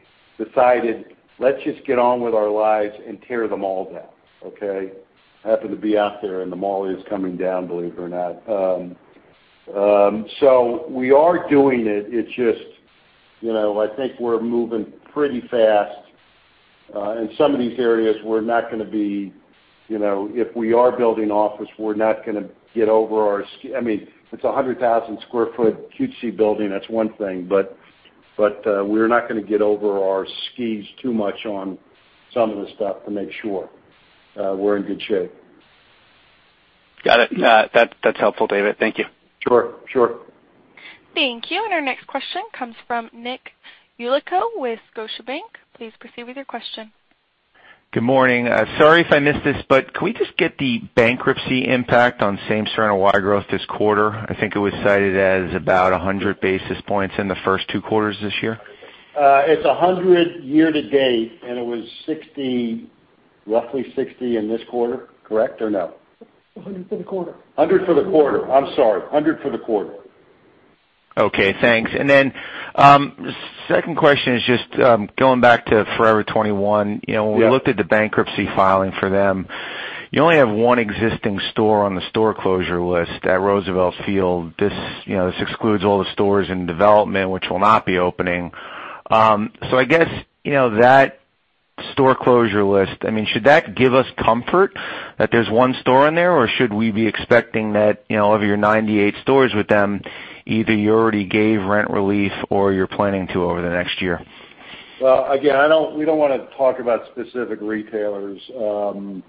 decided, let's just get on with our lives and tear the mall down. Okay? I happen to be out there, and the mall is coming down, believe it or not. We are doing it. It's just, I think we're moving pretty fast. In some of these areas, if we are building office, we're not going to get over our It's a 100,000 square foot cutesy building, that's one thing, but we're not going to get over our skis too much on some of the stuff to make sure we're in good shape. Got it. That's helpful, David. Thank you. Sure. Thank you. Our next question comes from Nicholas Yulico with Scotiabank. Please proceed with your question. Good morning. Sorry if I missed this, could we just get the bankruptcy impact on same store NOI growth this quarter? I think it was cited as about 100 basis points in the first two quarters this year. It's 100 year to date, and it was 60, roughly 60 in this quarter. Correct or no? $100 for the quarter. $100 for the quarter. I'm sorry. $100 for the quarter. Okay, thanks. Second question is just going back to Forever 21. Yeah. When we looked at the bankruptcy filing for them, you only have one existing store on the store closure list at Roosevelt Field. This excludes all the stores in development, which will not be opening. I guess, that store closure list, should that give us comfort that there's one store in there, or should we be expecting that, of your 98 stores with them, either you already gave rent relief or you're planning to over the next year? Well, again, we don't want to talk about specific retailers. We'll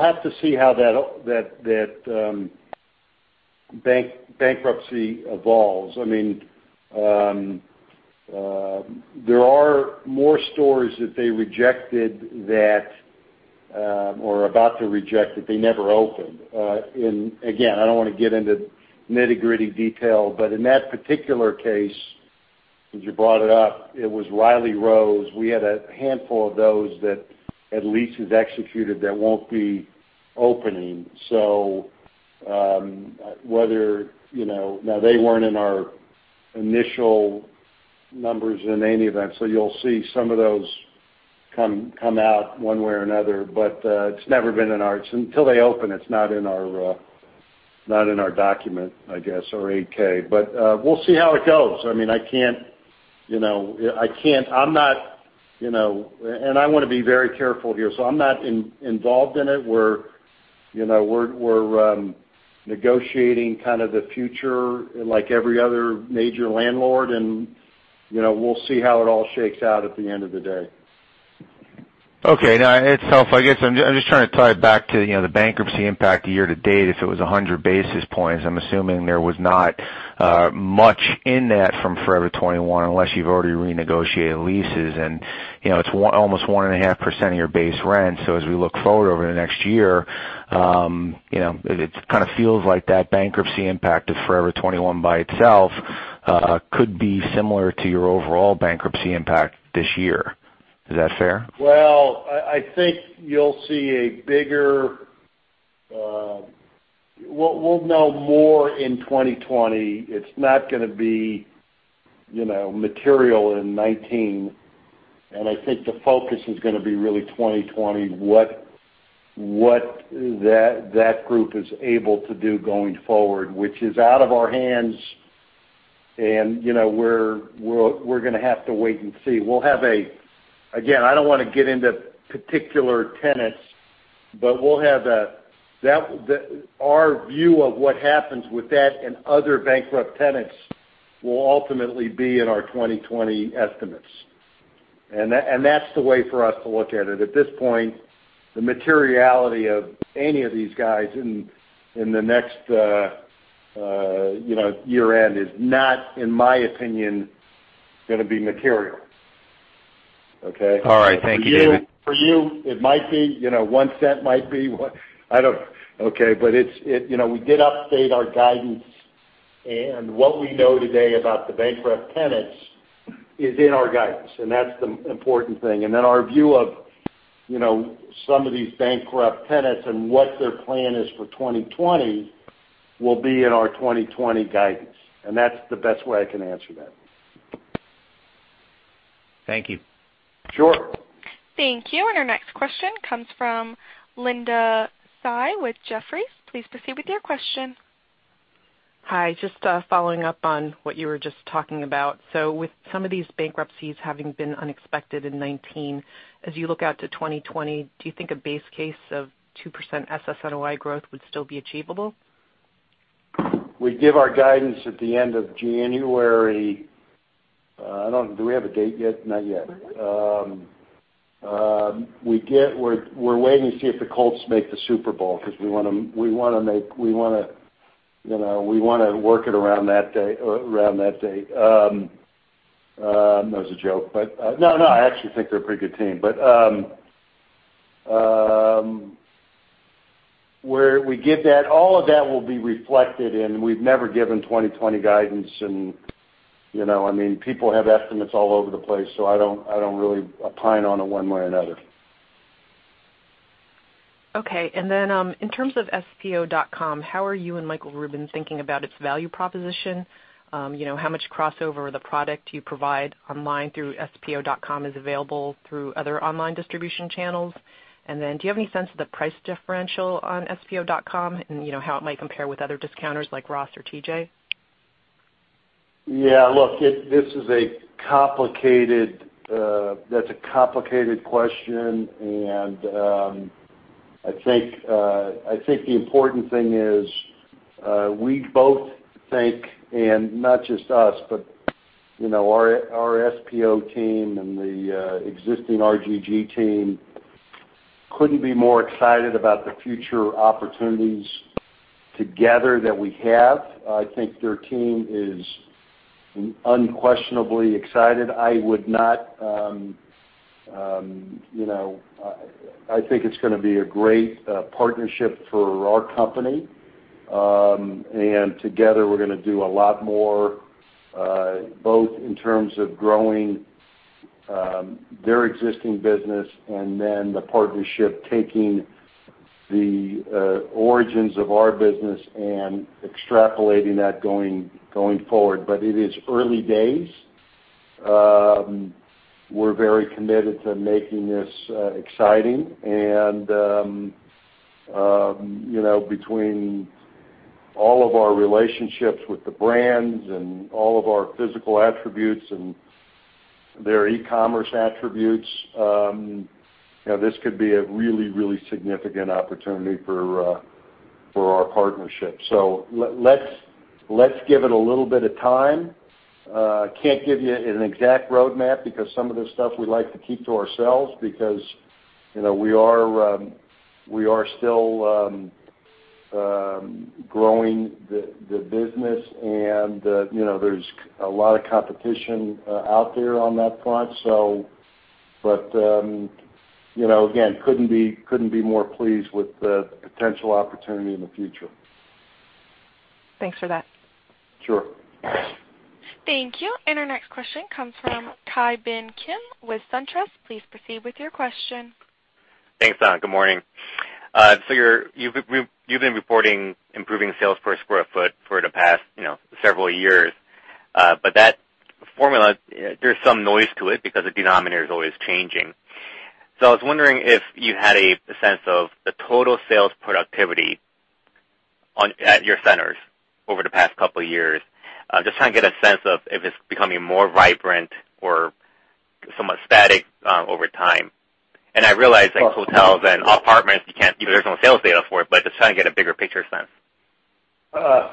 have to see how that bankruptcy evolves. There are more stores that they rejected that, or about to reject that they never opened. Again, I don't want to get into nitty-gritty detail, but in that particular case, since you brought it up, it was Riley Rose. We had a handful of those that had leases executed that won't be opening. They weren't in our initial numbers in any event, so you'll see some of those come out one way or another, but it's never been until they open, it's not in our document, I guess, or 8-K. We'll see how it goes. I want to be very careful here, so I'm not involved in it. We're negotiating kind of the future, like every other major landlord. We'll see how it all shakes out at the end of the day. Okay. No, it's helpful. I guess I'm just trying to tie it back to the bankruptcy impact year-to-date. If it was 100 basis points, I'm assuming there was not much in that from Forever 21 unless you've already renegotiated leases and it's almost 1.5% of your base rent. As we look forward over the next year, it kind of feels like that bankruptcy impact of Forever 21 by itself could be similar to your overall bankruptcy impact this year. Is that fair? Well, I think you'll see we'll know more in 2020. It's not going to be material in 2019, and I think the focus is going to be really 2020, what that group is able to do going forward, which is out of our hands. We're going to have to wait and see. Again, I don't want to get into particular tenants, but our view of what happens with that and other bankrupt tenants will ultimately be in our 2020 estimates. That's the way for us to look at it. At this point, the materiality of any of these guys in the next year-end is not, in my opinion, going to be material. Okay? All right. Thank you, David. For you, it might be. $0.01 might be. Okay. We did update our guidance, and what we know today about the bankrupt tenants is in our guidance, and that's the important thing. Our view of some of these bankrupt tenants and what their plan is for 2020 will be in our 2020 guidance, and that's the best way I can answer that. Thank you. Sure. Thank you. Our next question comes from Linda Tsai with Jefferies. Please proceed with your question. Hi. Just following up on what you were just talking about. With some of these bankruptcies having been unexpected in 2019, as you look out to 2020, do you think a base case of 2% SSNOI growth would still be achievable? We give our guidance at the end of January. Do we have a date yet? Not yet. We're waiting to see if the Colts make the Super Bowl because we want to work it around that day. That was a joke. I actually think they're a pretty good team. Where we give that, all of that will be reflected. We've never given 2020 guidance, and people have estimates all over the place, so I don't really opine on it one way or another. Okay. In terms of spo.com, how are you and Michael Rubin thinking about its value proposition? How much crossover of the product you provide online through spo.com is available through other online distribution channels? Do you have any sense of the price differential on spo.com and how it might compare with other discounters like Ross or TJ? Yeah. Look, that's a complicated question. I think the important thing is, we both think, and not just us, but our SPO team and the existing RGG team couldn't be more excited about the future opportunities together that we have. I think their team is unquestionably excited. I think it's going to be a great partnership for our company. Together we're going to do a lot more, both in terms of growing their existing business and then the partnership taking the origins of our business and extrapolating that going forward. It is early days. We're very committed to making this exciting. Between all of our relationships with the brands and all of our physical attributes and their e-commerce attributes, this could be a really, really significant opportunity for our partnership. Let's give it a little bit of time. Can't give you an exact roadmap because some of the stuff we like to keep to ourselves because we are still growing the business, and there's a lot of competition out there on that front. Again, couldn't be more pleased with the potential opportunity in the future. Thanks for that. Sure. Thank you. Our next question comes from Ki Bin Kim with SunTrust. Please proceed with your question. Thanks, Don. Good morning. You've been reporting improving sales per square foot for the past several years. That formula, there's some noise to it because the denominator is always changing. I was wondering if you had a sense of the total sales productivity at your centers over the past couple of years. Just trying to get a sense of if it's becoming more vibrant or somewhat static over time. I realize, like hotels and apartments, there's no sales data for it, but just trying to get a bigger picture sense. I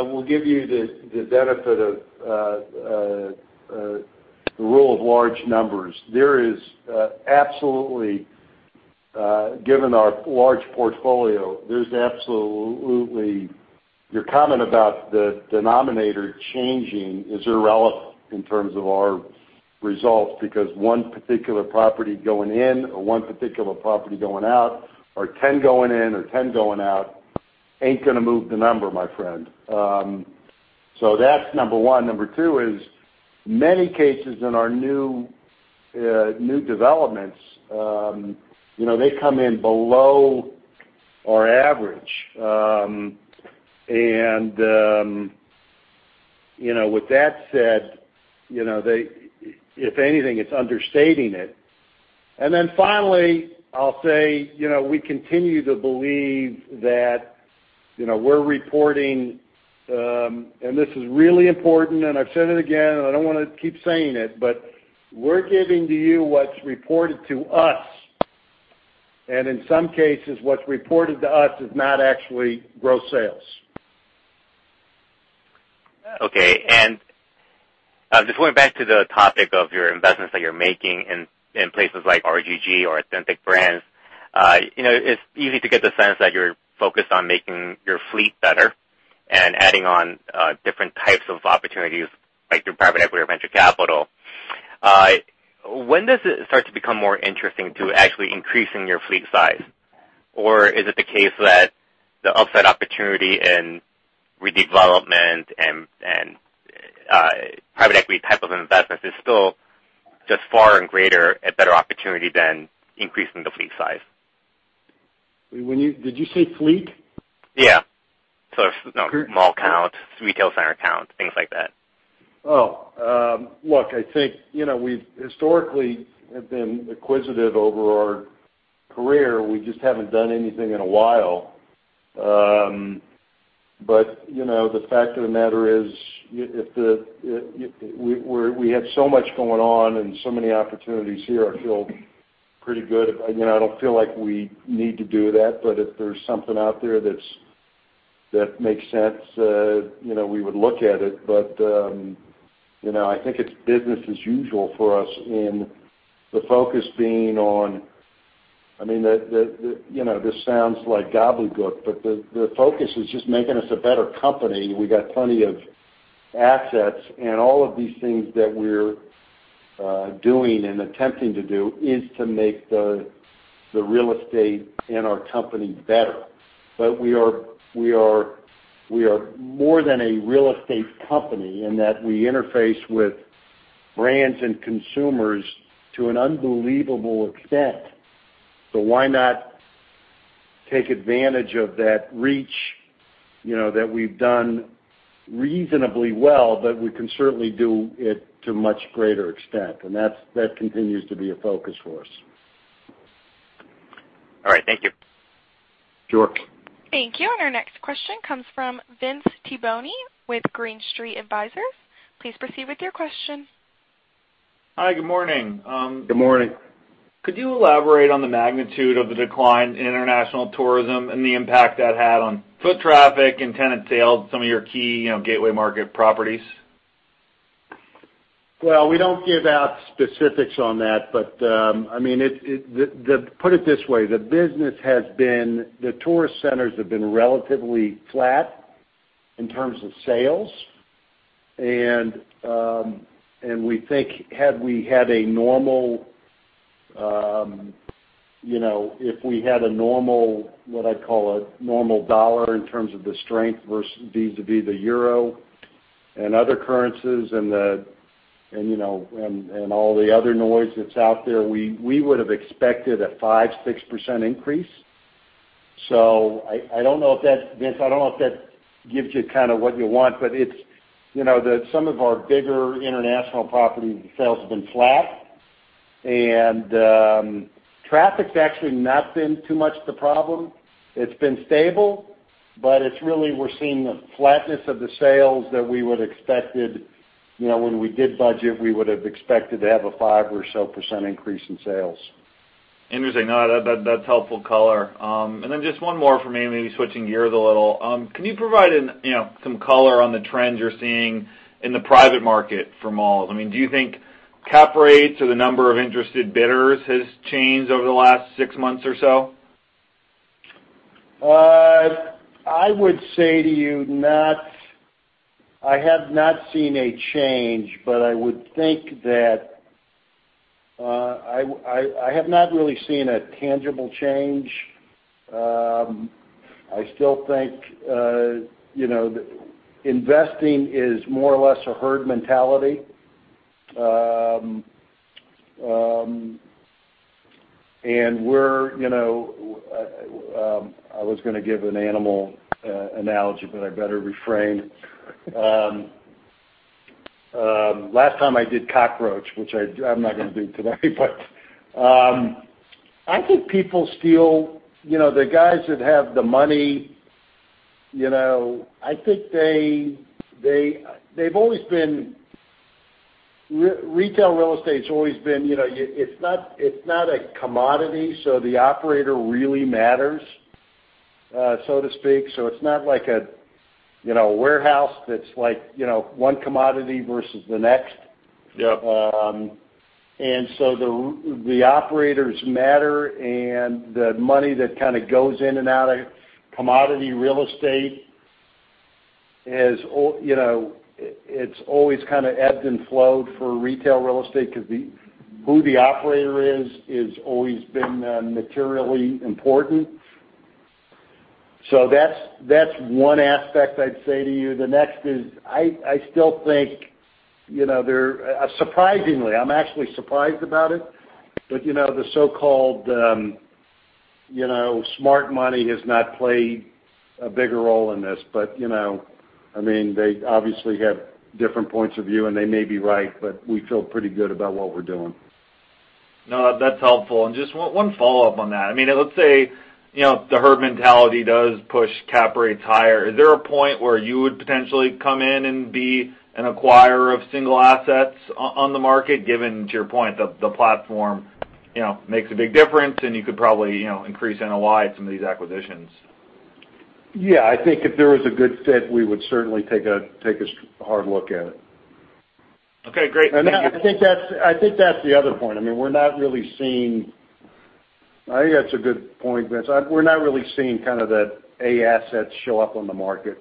will give you the benefit of the rule of large numbers. There is absolutely, given our large portfolio, your comment about the denominator changing is irrelevant in terms of our results, because one particular property going in or one particular property going out, or 10 going in or 10 going out, ain't going to move the number, my friend. That's number one. Number two is, many cases in our new developments, they come in below our average. With that said, if anything, it's understating it. Finally, I'll say, we continue to believe that we're reporting This is really important, and I've said it again, and I don't want to keep saying it, but we're giving to you what's reported to us. In some cases, what's reported to us is not actually gross sales. Okay. Just going back to the topic of your investments that you're making in places like RGG or Authentic Brands. It's easy to get the sense that you're focused on making your fleet better and adding on different types of opportunities, like through private equity or venture capital. When does it start to become more interesting to actually increasing your fleet size? Is it the case that the offset opportunity in redevelopment and private equity type of investments is still just far and greater, a better opportunity than increasing the fleet size? Did you say fleet? Yeah. Small count, retail center count, things like that. Look, I think we've historically have been acquisitive over our career. We just haven't done anything in a while. The fact of the matter is, we have so much going on and so many opportunities here, I feel pretty good. I don't feel like we need to do that, but if there's something out there that makes sense, we would look at it. I think it's business as usual for us in the focus being on. This sounds like gobbledygook, but the focus is just making us a better company. We got plenty of assets and all of these things that we're doing and attempting to do is to make the real estate and our company better. We are more than a real estate company in that we interface with brands and consumers to an unbelievable extent. Why not take advantage of that reach, that we've done reasonably well, but we can certainly do it to much greater extent. That continues to be a focus for us. All right. Thank you. Sure. Thank you. Our next question comes from Vince Tibone with Green Street Advisors. Please proceed with your question. Hi. Good morning. Good morning. Could you elaborate on the magnitude of the decline in international tourism and the impact that had on foot traffic and tenant sales in some of your key gateway market properties? Well, we don't give out specifics on that, but put it this way, the tourist centers have been relatively flat in terms of sales. We think, if we had a normal, what I'd call a normal dollar in terms of the strength vis-à-vis the Euro and other currencies and all the other noise that's out there, we would've expected a 5%-6% increase. I don't know if that, Vince, gives you kind of what you want, but some of our bigger international property sales have been flat. Traffic's actually not been too much the problem. It's been stable, but it's really we're seeing the flatness of the sales that we would've expected. When we did budget, we would've expected to have a 5% or so percent increase in sales. Interesting. No, that's helpful color. Just one more from me, maybe switching gears a little. Can you provide some color on the trends you're seeing in the private market for malls? Do you think cap rates or the number of interested bidders has changed over the last six months or so? I would say to you, I have not seen a change, but I would think that I have not really seen a tangible change. I still think investing is more or less a herd mentality. I was going to give an animal analogy, but I better refrain. Last time I did cockroach, which I'm not going to do today. I think the guys that have the money, retail real estate, it's not a commodity, so the operator really matters, so to speak. It's not like a warehouse that's one commodity versus the next. Yep. The operators matter, and the money that kind of goes in and out of commodity real estate, it's always kind of ebbed and flowed for retail real estate because who the operator is, has always been materially important. That's one aspect I'd say to you. The next is, surprisingly, I'm actually surprised about it, but the so-called smart money has not played a bigger role in this. They obviously have different points of view, and they may be right, but we feel pretty good about what we're doing. No, that's helpful. Just one follow-up on that. Let's say the herd mentality does push cap rates higher. Is there a point where you would potentially come in and be an acquirer of single assets on the market, given to your point, that the platform makes a big difference and you could probably increase NOI at some of these acquisitions? Yeah, I think if there was a good fit, we would certainly take a hard look at it. Okay, great. Thank you. I think that's the other point. I think that's a good point, Vince. We're not really seeing kind of the A assets show up on the market.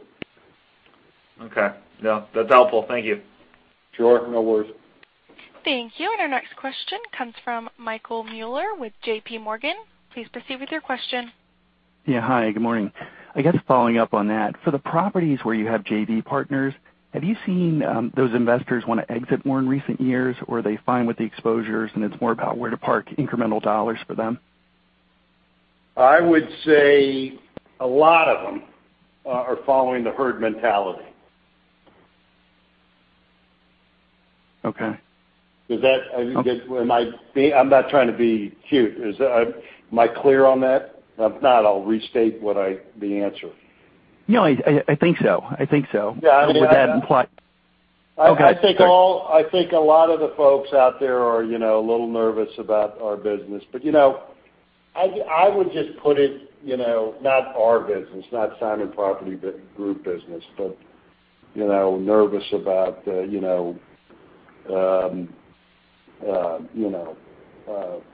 Okay. Yeah. That's helpful. Thank you. Sure. No worries. Thank you. Our next question comes from Michael Mueller with JPMorgan. Please proceed with your question. Yeah. Hi, good morning. I guess following up on that, for the properties where you have JV partners, have you seen those investors want to exit more in recent years? Are they fine with the exposures, and it's more about where to park incremental dollars for them? I would say a lot of them are following the herd mentality. Okay. I'm not trying to be cute. Am I clear on that? If not, I'll restate the answer. No, I think so. I think so. Yeah, I would- With that in mind. Okay, great. I think a lot of the folks out there are a little nervous about our business. I would just put it, not our business, not Simon Property Group business, but nervous about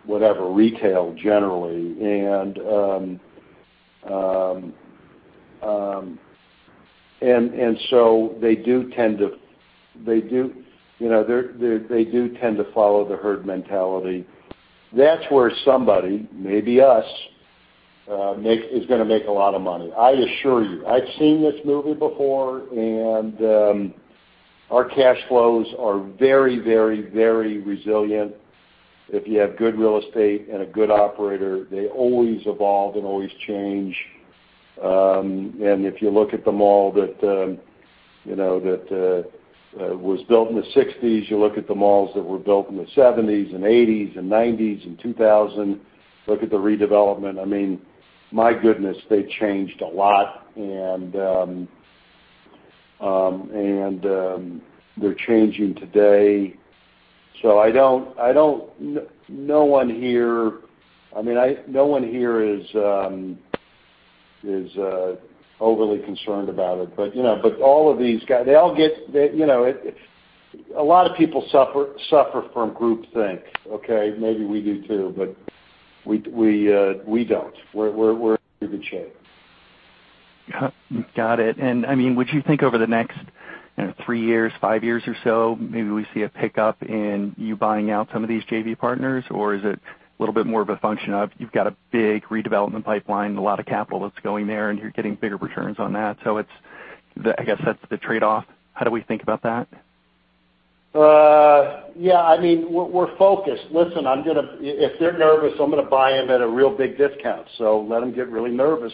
whatever retail generally. They do tend to follow the herd mentality. That's where somebody, maybe us, is going to make a lot of money. I assure you. I've seen this movie before, and our cash flows are very resilient. If you have good real estate and a good operator, they always evolve and always change. If you look at the mall that was built in the '60s, you look at the malls that were built in the '70s and '80s and '90s and 2000s, look at the redevelopment. My goodness, they changed a lot, and they're changing today. No one here is overly concerned about it. A lot of people suffer from groupthink, okay? Maybe we do too, but we don't. We're in good shape. Got it. Would you think over the next three years, five years or so, maybe we see a pickup in you buying out some of these JV partners? Is it a little bit more of a function of you've got a big redevelopment pipeline, a lot of capital that's going there, and you're getting bigger returns on that. I guess that's the trade-off. How do we think about that? Yeah, we're focused. Listen, if they're nervous, I'm going to buy them at a real big discount, so let them get really nervous.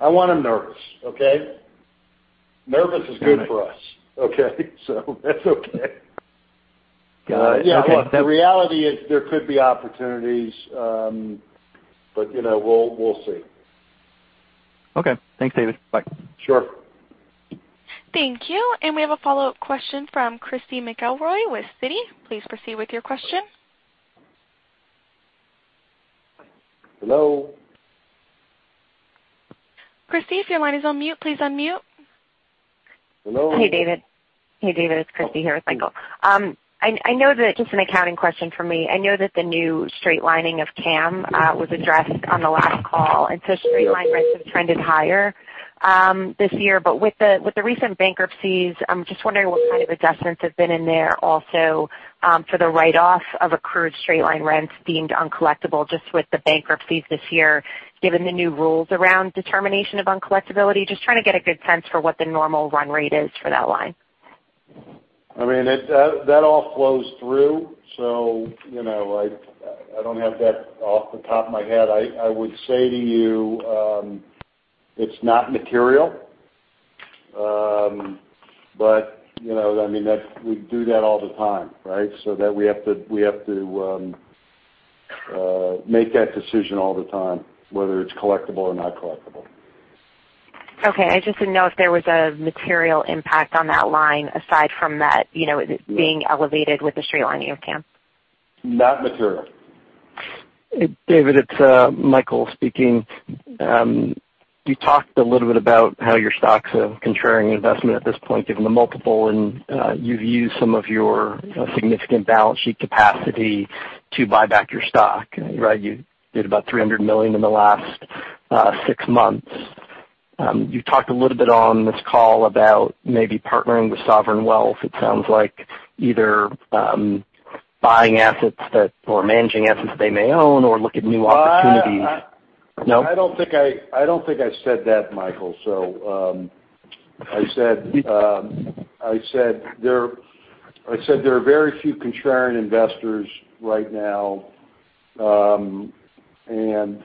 I want them nervous, okay? Nervous is good for us. Okay? That's okay. Got it. The reality is there could be opportunities, but we'll see. Okay. Thanks, David. Bye. Sure. Thank you. We have a follow-up question from Christy McElroy with Citi. Please proceed with your question. Hello? Christy, if your line is on mute, please unmute. Hello? Hey, David. Hey, David. It's Christy here with Michael. Just an accounting question for me. I know that the new straight lining of CAM was addressed on the last call. Straight line rents have trended higher this year. With the recent bankruptcies, I'm just wondering what kind of adjustments have been in there also for the write-off of accrued straight line rents deemed uncollectible, just with the bankruptcies this year, given the new rules around determination of uncollectibility. Just trying to get a good sense for what the normal run rate is for that line. That all flows through. I don't have that off the top of my head. I would say to you, it's not material. We do that all the time, right? That we have to make that decision all the time, whether it's collectible or not collectible. Okay. I just didn't know if there was a material impact on that line aside from that being elevated with the straight lining of CAM. Not material. David, it's Michael speaking. You talked a little bit about how your stock's a contrarian investment at this point, given the multiple, and you've used some of your significant balance sheet capacity to buy back your stock. You did about $300 million in the last six months. You talked a little bit on this call about maybe partnering with sovereign wealth. It sounds like either buying assets or managing assets they may own or look at new opportunities. No? I don't think I said that, Michael. I said there are very few contrarian investors right now, and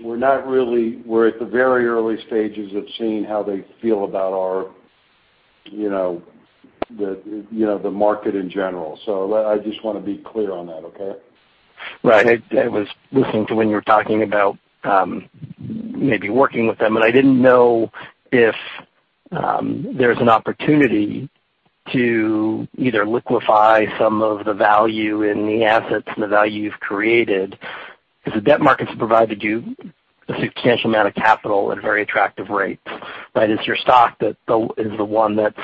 we're at the very early stages of seeing how they feel about the market in general. I just want to be clear on that, okay? Right. I was listening to when you were talking about maybe working with them. I didn't know if there's an opportunity to either liquefy some of the value in the assets and the value you've created, because the debt markets provided you a substantial amount of capital at very attractive rates. It's your stock that is the one that's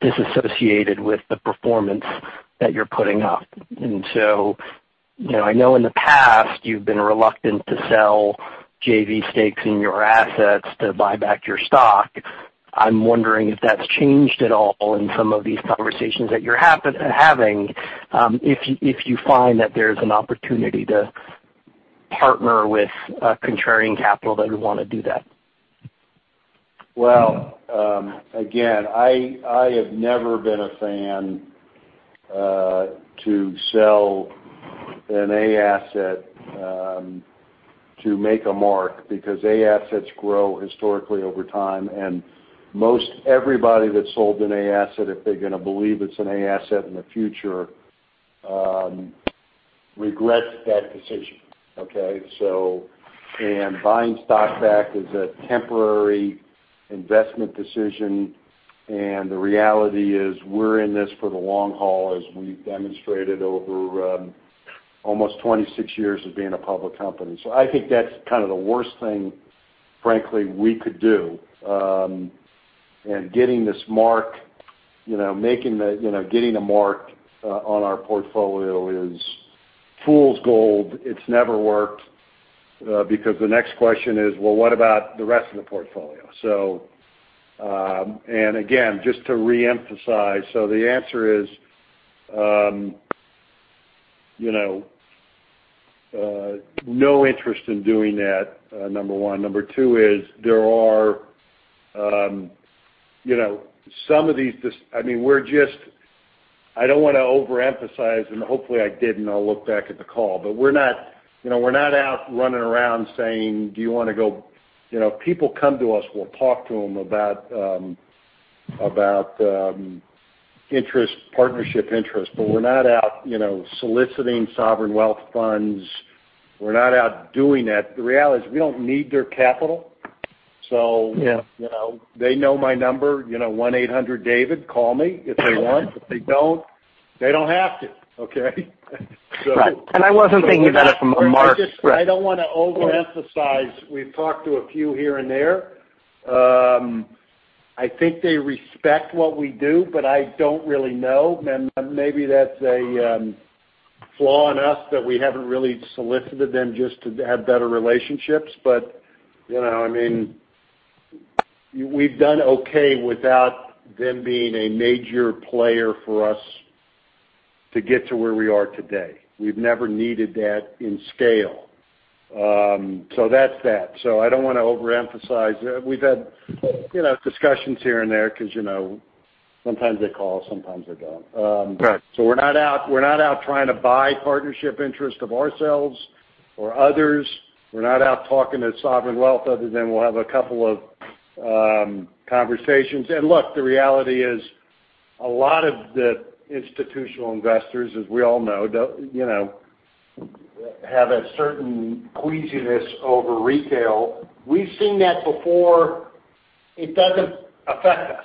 disassociated with the performance that you're putting up. I know in the past you've been reluctant to sell JV stakes in your assets to buy back your stock. I'm wondering if that's changed at all in some of these conversations that you're having, if you find that there's an opportunity to partner with contrarian capital that would want to do that. Well, again, I have never been a fan to sell an A asset to make a mark, because A assets grow historically over time, and most everybody that sold an A asset, if they're going to believe it's an A asset in the future, regrets that decision. Okay? Buying stock back is a temporary investment decision, and the reality is we're in this for the long haul, as we've demonstrated over almost 26 years of being a public company. I think that's kind of the worst thing, frankly, we could do. Getting a mark on our portfolio is fool's gold. It's never worked, because the next question is, well, what about the rest of the portfolio? Again, just to re-emphasize, so the answer is, no interest in doing that, number one. Number two is, I don't want to overemphasize, and hopefully I didn't. I'll look back at the call. We're not out running around saying, "Do you want to go?" People come to us, we'll talk to them about partnership interest, but we're not out soliciting sovereign wealth funds. We're not out doing that. The reality is we don't need their capital. Yeah. They know my number, 1-800-DAVID. Call me if they want. If they don't, they don't have to. Okay? Right. I wasn't thinking about it from a mark- I don't want to overemphasize. We've talked to a few here and there. I think they respect what we do, but I don't really know. Maybe that's a flaw in us that we haven't really solicited them just to have better relationships. We've done okay without them being a major player for us to get to where we are today. We've never needed that in scale. That's that. I don't want to overemphasize. We've had discussions here and there, because sometimes they call, sometimes they don't. Right. We're not out trying to buy partnership interest of ourselves or others. We're not out talking to sovereign wealth other than we'll have a couple of conversations. Look, the reality is, a lot of the institutional investors, as we all know, have a certain queasiness over retail. We've seen that before. It doesn't affect us.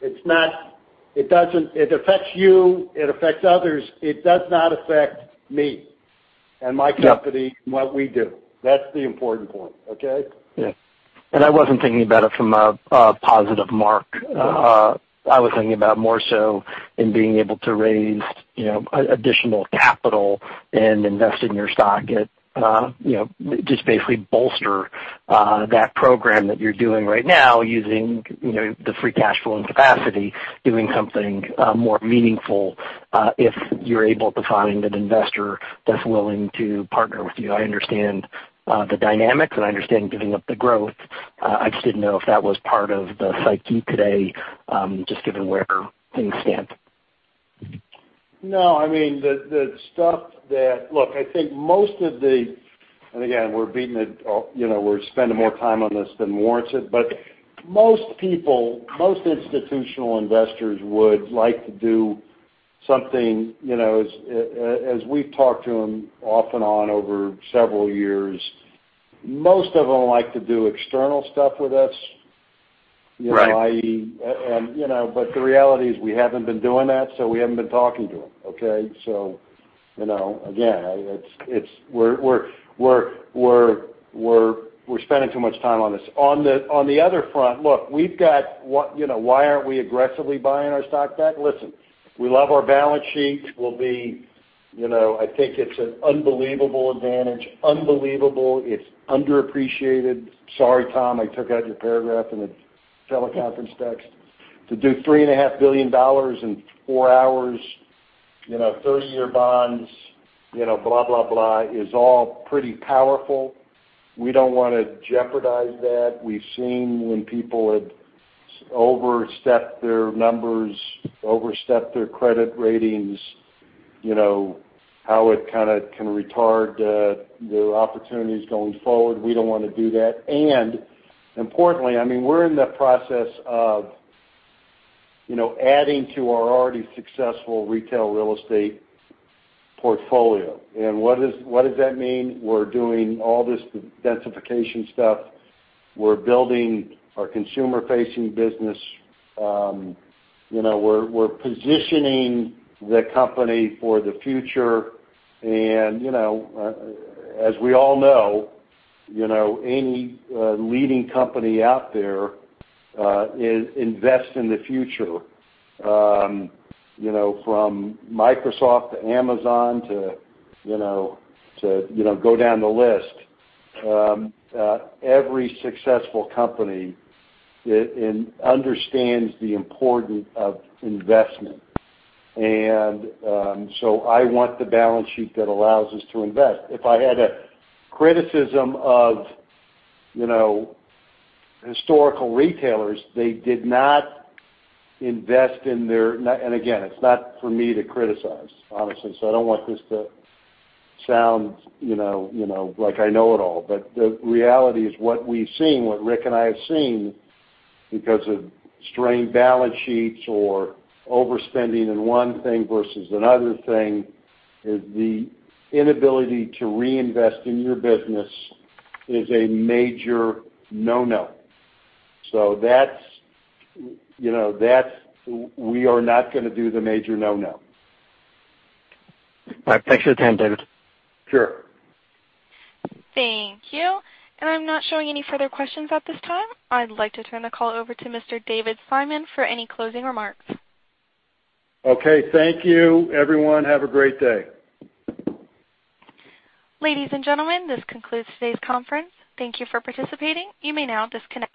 It affects you. It affects others. It does not affect me and my company and what we do. That's the important point. Yes. I wasn't thinking about it from a positive mark. Yes. I was thinking about more so in being able to raise additional capital and invest in your stock. Just basically bolster that program that you're doing right now using the free cash flow and capacity, doing something more meaningful, if you're able to find an investor that's willing to partner with you. I understand the dynamics, and I understand giving up the growth. I just didn't know if that was part of the psyche today, just given where things stand. No, look, I think. Again, we're spending more time on this than warrants it, but most people, most institutional investors would like to do something. As we've talked to them off and on over several years, most of them like to do external stuff with us. Right. The reality is we haven't been doing that, so we haven't been talking to them, okay. Again, we're spending too much time on this. On the other front, look, why aren't we aggressively buying our stock back? Listen, we love our balance sheet. I think it's an unbelievable advantage. Unbelievable. It's underappreciated. Sorry, Tom, I took out your paragraph in the teleconference text. To do $3.5 billion in four hours, 30-year bonds, blah, blah, is all pretty powerful. We don't want to jeopardize that. We've seen when people had overstepped their numbers, overstepped their credit ratings, how it kind of can retard the opportunities going forward. We don't want to do that. Importantly, we're in the process of adding to our already successful retail real estate portfolio. What does that mean? We're doing all this densification stuff. We're building our consumer-facing business. We're positioning the company for the future, and as we all know, any leading company out there invests in the future. From Microsoft to Amazon to go down the list, every successful company understands the importance of investment. I want the balance sheet that allows us to invest. If I had a criticism of historical retailers, again, it's not for me to criticize, honestly, so I don't want this to sound like I know it all. The reality is what we've seen, what Rick and I have seen, because of strained balance sheets or overspending in one thing versus another thing, is the inability to reinvest in your business is a major no-no. We are not going to do the major no-no. All right. Thanks for your time, David. Sure. Thank you. I'm not showing any further questions at this time. I'd like to turn the call over to Mr. David Simon for any closing remarks. Okay, thank you, everyone. Have a great day. Ladies and gentlemen, this concludes today's conference. Thank you for participating. You may now disconnect.